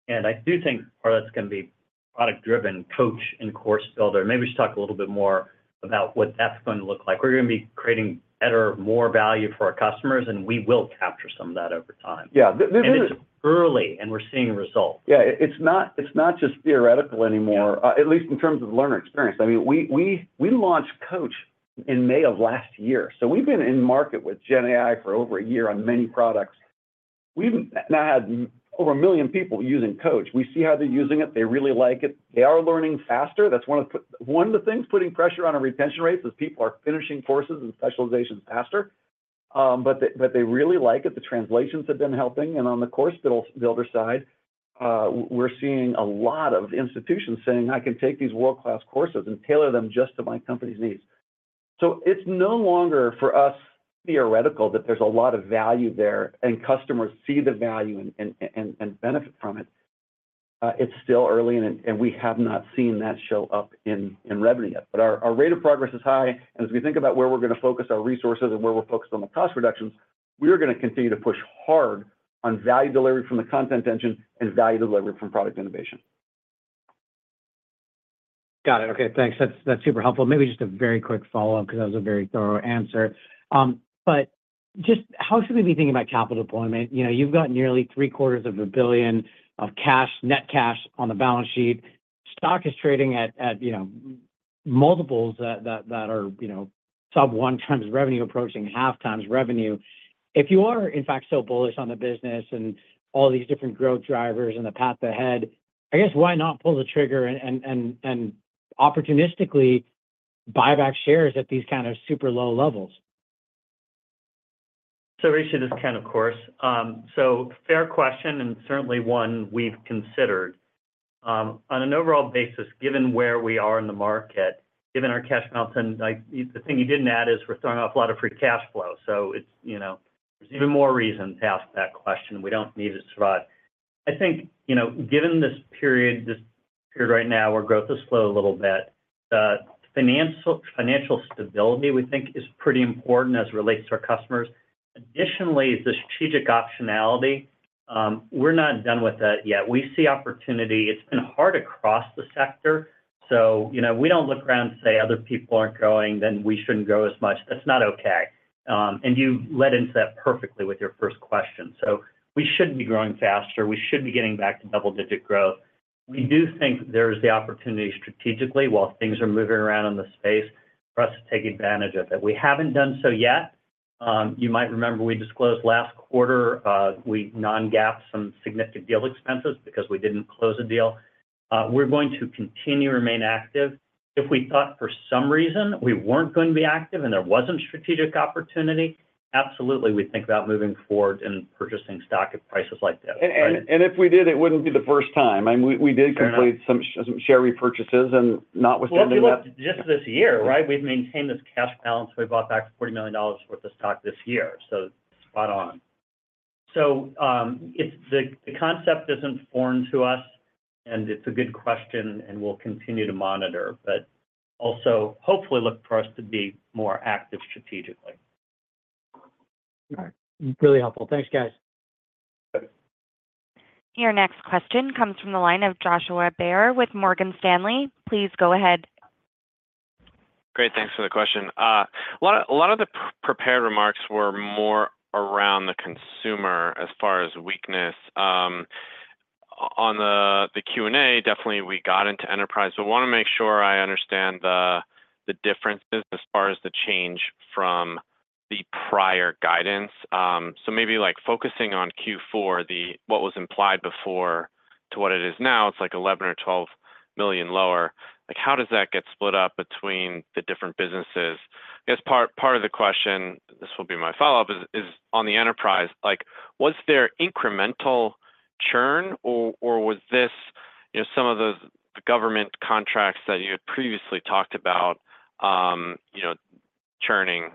Speaker 4: I do think part of that's gonna be product-driven Coach and Course Builder. Maybe we should talk a little bit more about what that's gonna look like. We're gonna be creating better, more value for our customers, and we will capture some of that over time.
Speaker 3: Yeah, this is-
Speaker 4: It's early, and we're seeing results.
Speaker 3: Yeah, it's not, it's not just theoretical anymore, at least in terms of learner experience. I mean, we launched Coach in May of last year, so we've been in market with GenAI for over a year on many products. We've now had over 1 million people using Coach. We see how they're using it. They really like it. They are learning faster. That's one of the things putting pressure on our retention rates is people are finishing courses and specializations faster. But they really like it. The translations have been helping. On the course builder side, we're seeing a lot of institutions saying, "I can take these world-class courses and tailor them just to my company's needs." It's no longer, for us, theoretical that there's a lot of value there, and customers see the value and benefit from it. It's still early, and we have not seen that show up in revenue yet. Our rate of progress is high, and as we think about where we're gonna focus our resources and where we're focused on the cost reductions, we are gonna continue to push hard on value delivery from the content engine and value delivery from product innovation.
Speaker 7: Got it. Okay, thanks. That's super helpful. Maybe just a very quick follow-up, because that was a very thorough answer. But just how should we be thinking about capital deployment? You know, you've got nearly $750 million of cash, net cash on the balance sheet. Stock is trading at, you know, multiples that are sub 1x revenue, approaching 0.5x revenue. If you are, in fact, so bullish on the business and all these different growth drivers and the path ahead, I guess, why not pull the trigger and opportunistically buy back shares at these kind of super low levels?
Speaker 4: So Rishi, this is Ken, of course. So fair question, and certainly one we've considered. On an overall basis, given where we are in the market, given our cash balance, and, like, the thing you didn't add is we're throwing off a lot of free cash flow. So it's, you know. There's even more reason to ask that question. We don't need to survive. I think, you know, given this period, this period right now, where growth has slowed a little bit, the financial stability, we think, is pretty important as it relates to our customers. Additionally, the strategic optionality, we're not done with that yet. We see opportunity. It's been hard across the sector, so, you know, we don't look around and say, "Other people aren't growing, then we shouldn't grow as much." That's not okay. And you led into that perfectly with your first question. So we should be growing faster. We should be getting back to double-digit growth. We do think there's the opportunity strategically, while things are moving around in the space, for us to take advantage of it. We haven't done so yet. You might remember we disclosed last quarter, we non-GAAP some significant deal expenses because we didn't close a deal. We're going to continue to remain active. If we thought, for some reason, we weren't going to be active and there wasn't strategic opportunity, absolutely, we'd think about moving forward and purchasing stock at prices like this, right?
Speaker 3: If we did, it wouldn't be the first time. I mean, we did complete-
Speaker 7: Fair enough...
Speaker 3: some share repurchases, and notwithstanding that.
Speaker 4: If you look just this year, right, we've maintained this cash balance, we bought back $40 million worth of stock this year, so spot on. So, it's, the concept isn't foreign to us, and it's a good question, and we'll continue to monitor, but also hopefully look for us to be more active strategically.
Speaker 7: All right. Really helpful. Thanks, guys.
Speaker 4: Okay.
Speaker 1: Your next question comes from the line of Joshua Baer with Morgan Stanley. Please go ahead.
Speaker 8: Great. Thanks for the question. A lot of the prepared remarks were more around the consumer as far as weakness. On the Q&A, definitely we got into enterprise. But want to make sure I understand the differences as far as the change from the prior guidance. So maybe, like, focusing on Q4, what was implied before to what it is now, it's like $11 million or $12 million lower. Like, how does that get split up between the different businesses? I guess part of the question, this will be my follow-up, is on the enterprise: like, was there incremental churn, or was this, you know, some of the government contracts that you had previously talked about, you know, churning?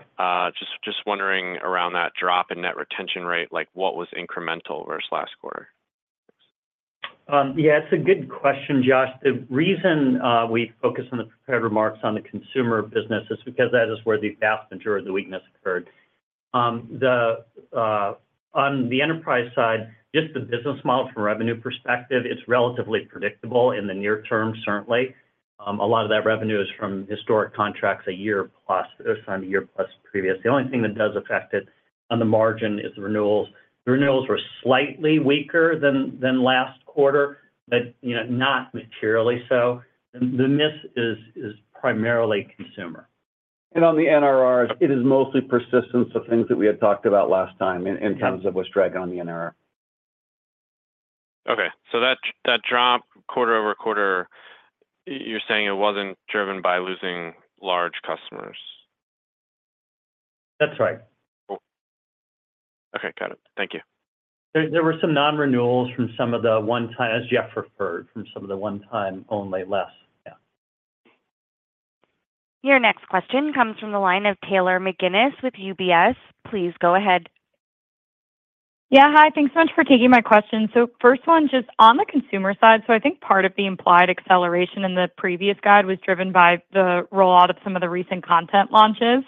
Speaker 8: Just wondering about that drop in Net Retention Rate, like, what was incremental versus last quarter?
Speaker 4: Yeah, it's a good question, Josh. The reason we focused on the prepared remarks on the consumer business is because that is where the vast majority of the weakness occurred. On the enterprise side, just the business model from a revenue perspective, it's relatively predictable in the near term, certainly. A lot of that revenue is from historic contracts 1 year+s, or from 1 year+ previous. The only thing that does affect it on the margin is the renewals. The renewals were slightly weaker than last quarter, but, you know, not materially so. The miss is primarily consumer.
Speaker 3: On the NRR, it is mostly persistence of things that we had talked about last time in terms of what's dragging on the NRR.
Speaker 8: Okay, so that drop quarter over quarter, you're saying it wasn't driven by losing large customers?
Speaker 4: That's right.
Speaker 8: Cool. Okay, got it. Thank you.
Speaker 4: There were some non-renewals from some of the one-time, as Jeff referred, from some of the one-time only deals. Yeah.
Speaker 1: Your next question comes from the line of Taylor McGinnis with UBS. Please go ahead.
Speaker 9: Yeah, hi. Thanks so much for taking my question. So first one, just on the consumer side, so I think part of the implied acceleration in the previous guide was driven by the rollout of some of the recent content launches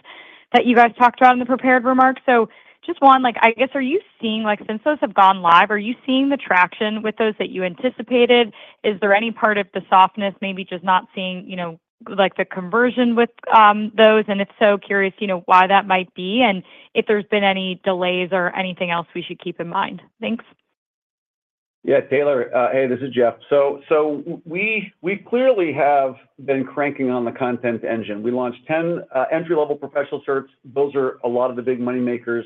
Speaker 9: that you guys talked about in the prepared remarks. So just one, like, I guess, are you seeing, like, since those have gone live, are you seeing the traction with those that you anticipated? Is there any part of the softness, maybe just not seeing, you know, like, the conversion with those? And if so, curious, you know, why that might be, and if there's been any delays or anything else we should keep in mind. Thanks.
Speaker 3: Yeah, Taylor. Hey, this is Jeff. So we clearly have been cranking on the content engine. We launched ten entry-level professional certs. Those are a lot of the big moneymakers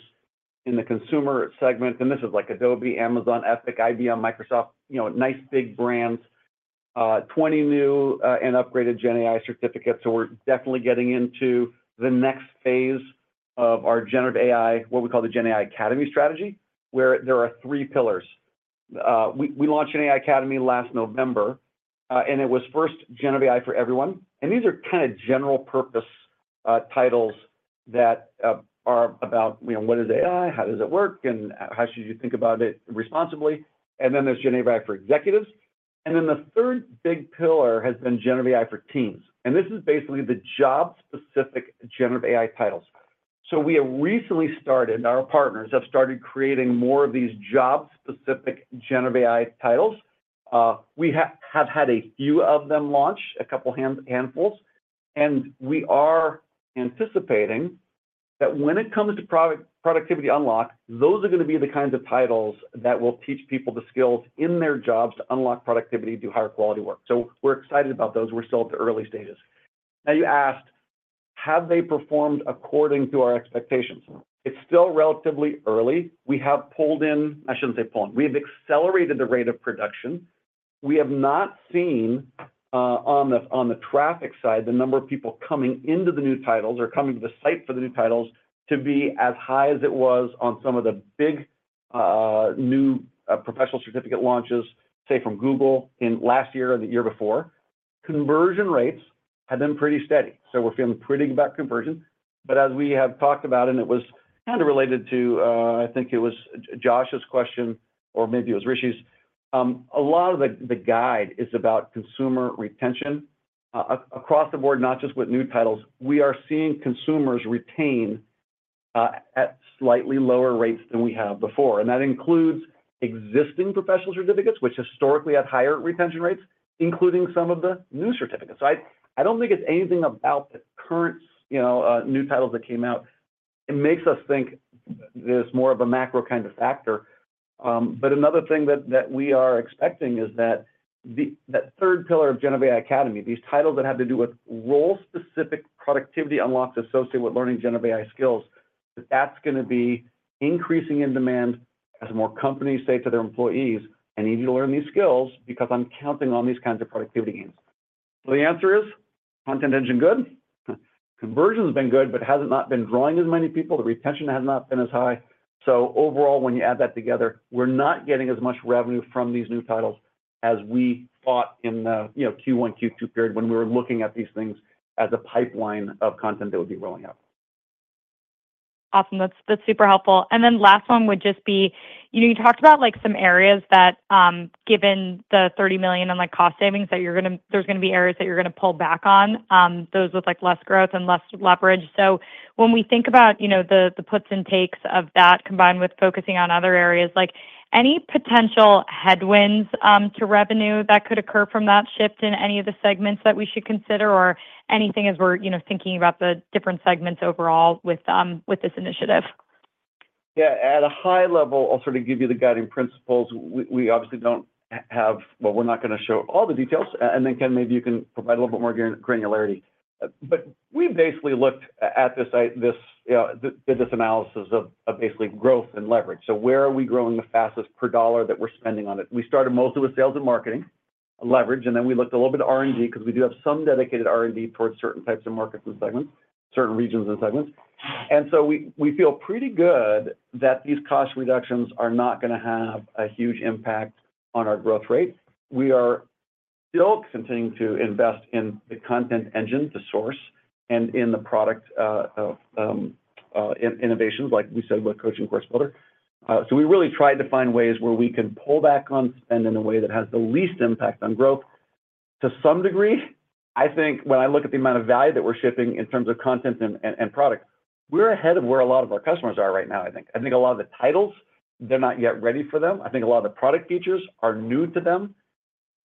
Speaker 3: in the consumer segment, and this is like Adobe, Amazon, Epic, IBM, Microsoft, you know, nice, big brands. Twenty new and upgraded GenAI certificates. So we're definitely getting into the next phase of our generative AI, what we call the GenAI Academy strategy, where there are three pillars. We launched an AI academy last November, and it was first GenAI for Everyone. And these are kind of general-purpose titles that are about, you know, what is AI? How does it work, and how should you think about it responsibly? And then there's GenAI for Executives. And then the third big pillar has been GenAI for Teams, and this is basically the job-specific generative AI titles. So we have recently started. Our partners have started creating more of these job-specific GenAI titles. We have had a few of them launch, a couple handfuls, and we are anticipating that when it comes to productivity unlock, those are going to be the kinds of titles that will teach people the skills in their jobs to unlock productivity, do higher quality work. So we're excited about those. We're still at the early stages. Now, you asked, have they performed according to our expectations? It's still relatively early. We have pulled in. I shouldn't say pulled in, we have accelerated the rate of production. We have not seen on the traffic side, the number of people coming into the new titles or coming to the site for the new titles, to be as high as it was on some of the big new professional certificate launches, say, from Google in last year or the year before. Conversion rates have been pretty steady, so we're feeling pretty good about conversion. But as we have talked about, and it was kind of related to I think it was Josh's question or maybe it was Rishi's, a lot of the guide is about consumer retention across the board, not just with new titles. We are seeing consumers retain at slightly lower rates than we have before, and that includes existing professional certificates, which historically have higher retention rates, including some of the new certificates. So I don't think it's anything about the current, you know, new titles that came out. It makes us think there's more of a macro kind of factor. But another thing that we are expecting is that that third pillar of GenAI Academy, these titles that have to do with role-specific productivity unlocks associated with learning GenAI skills, that's going to be increasing in demand as more companies say to their employees, "I need you to learn these skills because I'm counting on these kinds of productivity gains." So the answer is, content engine good. Conversion's been good, but has it not been drawing as many people? The retention has not been as high. So overall, when you add that together, we're not getting as much revenue from these new titles as we thought in the, you know, Q1, Q2 period when we were looking at these things as a pipeline of content that would be rolling out.
Speaker 9: Awesome. That's super helpful. And then last one would just be, you know, you talked about, like, some areas that, given the $30 million in cost savings, that you're gonna. There's gonna be areas that you're gonna pull back on, those with, like, less growth and less leverage. So when we think about, you know, the puts and takes of that, combined with focusing on other areas, like. Any potential headwinds to revenue that could occur from that shift in any of the segments that we should consider, or anything as we're, you know, thinking about the different segments overall with this initiative?
Speaker 3: Yeah, at a high level, I'll sort of give you the guiding principles. We obviously don't have. We're not gonna show all the details, and then, Ken, maybe you can provide a little bit more granularity, but we've basically looked at this analysis of basically growth and leverage. So where are we growing the fastest per dollar that we're spending on it? We started mostly with sales and marketing leverage, and then we looked a little bit of R&D, because we do have some dedicated R&D towards certain types of markets and segments, certain regions and segments, and so we feel pretty good that these cost reductions are not gonna have a huge impact on our growth rate. We are still continuing to invest in the content engine, the source, and in the product, innovations, like we said, with Coach and Course Builder. So we really tried to find ways where we can pull back on spend in a way that has the least impact on growth. To some degree, I think when I look at the amount of value that we're shipping in terms of content and product, we're ahead of where a lot of our customers are right now, I think. I think a lot of the titles, they're not yet ready for them. I think a lot of the product features are new to them,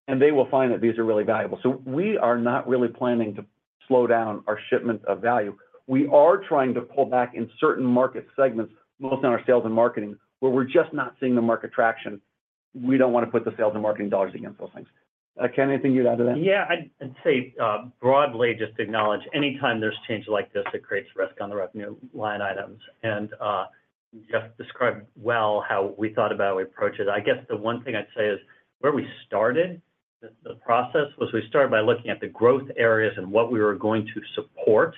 Speaker 3: and they will find that these are really valuable. So we are not really planning to slow down our shipment of value. We are trying to pull back in certain market segments, mostly on our sales and marketing, where we're just not seeing the market traction. We don't want to put the sales and marketing dollars against those things. Ken, anything you'd add to that?
Speaker 4: Yeah, I'd say broadly, just acknowledge anytime there's change like this, it creates risk on the revenue line items. Jeff described well how we thought about how we approach it. I guess the one thing I'd say is, where we started the process, was we started by looking at the growth areas and what we were going to support.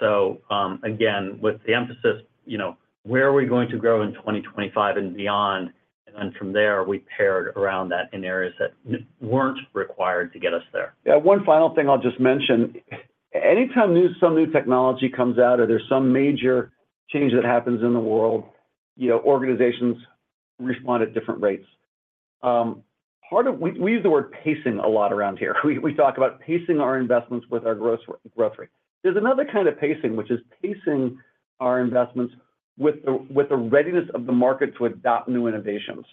Speaker 4: So, again, with the emphasis, you know, where are we going to grow in twenty twenty-five and beyond? And then from there, we pared around that in areas that weren't required to get us there.
Speaker 3: Yeah, one final thing I'll just mention. Anytime some new technology comes out or there's some major change that happens in the world, you know, organizations respond at different rates. We use the word pacing a lot around here. We talk about pacing our investments with our growth rate. There's another kind of pacing, which is pacing our investments with the readiness of the market to adopt new innovations.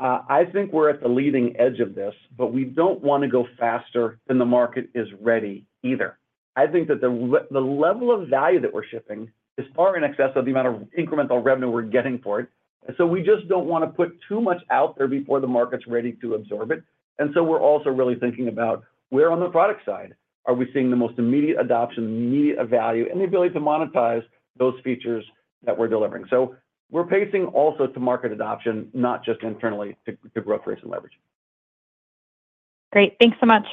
Speaker 3: I think we're at the leading edge of this, but we don't wanna go faster than the market is ready either. I think that the level of value that we're shipping is far in excess of the amount of incremental revenue we're getting for it. So we just don't wanna put too much out there before the market's ready to absorb it. We're also really thinking about where on the product side are we seeing the most immediate adoption, immediate value, and the ability to monetize those features that we're delivering? We're pacing also to market adoption, not just internally to growth rates and leverage.
Speaker 9: Great. Thanks so much.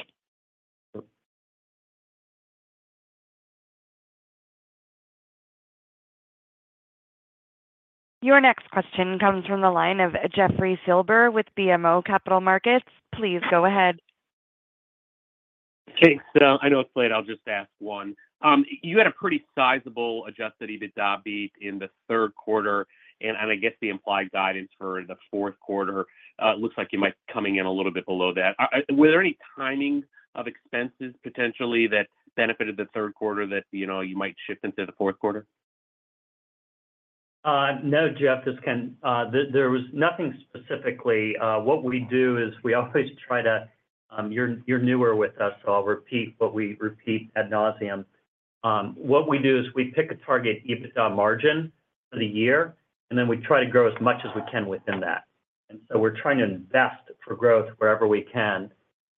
Speaker 3: Sure.
Speaker 1: Your next question comes from the line of Jeffrey Silber with BMO Capital Markets. Please go ahead.
Speaker 10: Okay, so I know it's late, I'll just ask one. You had a pretty sizable adjusted EBITDA beat in the third quarter, and I guess the implied guidance for the fourth quarter, it looks like you might be coming in a little bit below that. Were there any timing of expenses, potentially, that benefited the third quarter that, you know, you might shift into the fourth quarter?
Speaker 4: No, Jeff, this is Ken. There was nothing specifically. What we do is we always try to. You're newer with us, so I'll repeat what we repeat ad nauseam. What we do is we pick a target EBITDA margin for the year, and then we try to grow as much as we can within that. So we're trying to invest for growth wherever we can.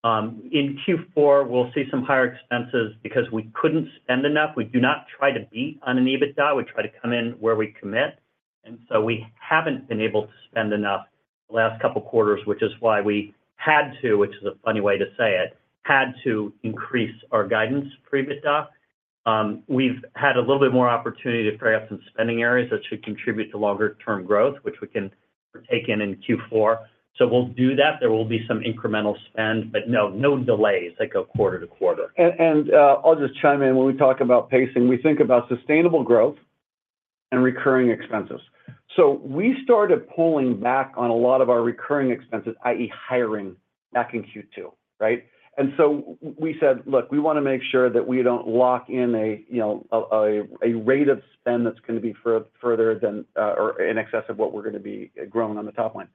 Speaker 4: In Q4, we'll see some higher expenses because we couldn't spend enough. We do not try to beat on an EBITDA. We try to come in where we commit, and so we haven't been able to spend enough the last couple quarters, which is why we had to increase our guidance for EBITDA, which is a funny way to say it. We've had a little bit more opportunity to free up some spending areas that should contribute to longer term growth, which we can take in in Q4. So we'll do that. There will be some incremental spend, but no, no delays that go quarter to quarter.
Speaker 3: I'll just chime in. When we talk about pacing, we think about sustainable growth and recurring expenses. So we started pulling back on a lot of our recurring expenses, i.e., hiring, back in Q2, right? And so we said, look, we wanna make sure that we don't lock in a, you know, a rate of spend that's gonna be further than or in excess of what we're gonna be growing on the top line.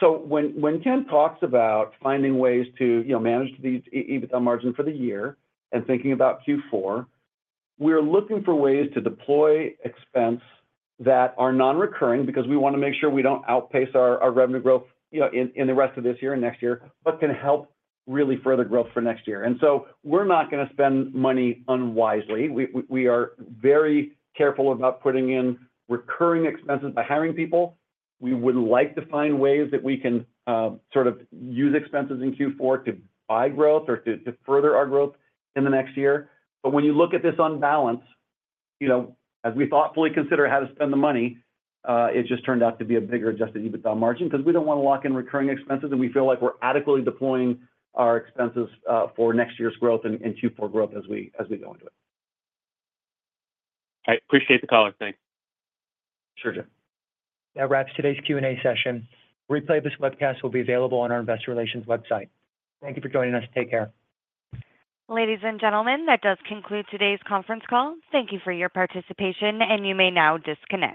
Speaker 3: So when Ken talks about finding ways to, you know, manage the EBITDA margin for the year and thinking about Q4, we're looking for ways to deploy expense that are non-recurring because we wanna make sure we don't outpace our revenue growth, you know, in the rest of this year and next year, but can help really further growth for next year. And so we're not gonna spend money unwisely. We are very careful about putting in recurring expenses by hiring people. We would like to find ways that we can sort of use expenses in Q4 to buy growth or to further our growth in the next year. But when you look at this on balance, you know, as we thoughtfully consider how to spend the money, it just turned out to be a bigger adjusted EBITDA margin, because we don't wanna lock in recurring expenses, and we feel like we're adequately deploying our expenses for next year's growth and Q4 growth as we go into it.
Speaker 10: I appreciate the call. Thanks.
Speaker 3: Sure, Jeff.
Speaker 2: That wraps today's Q&A session. Replay of this webcast will be available on our investor relations website. Thank you for joining us. Take care.
Speaker 1: Ladies and gentlemen, that does conclude today's conference call. Thank you for your participation, and you may now disconnect.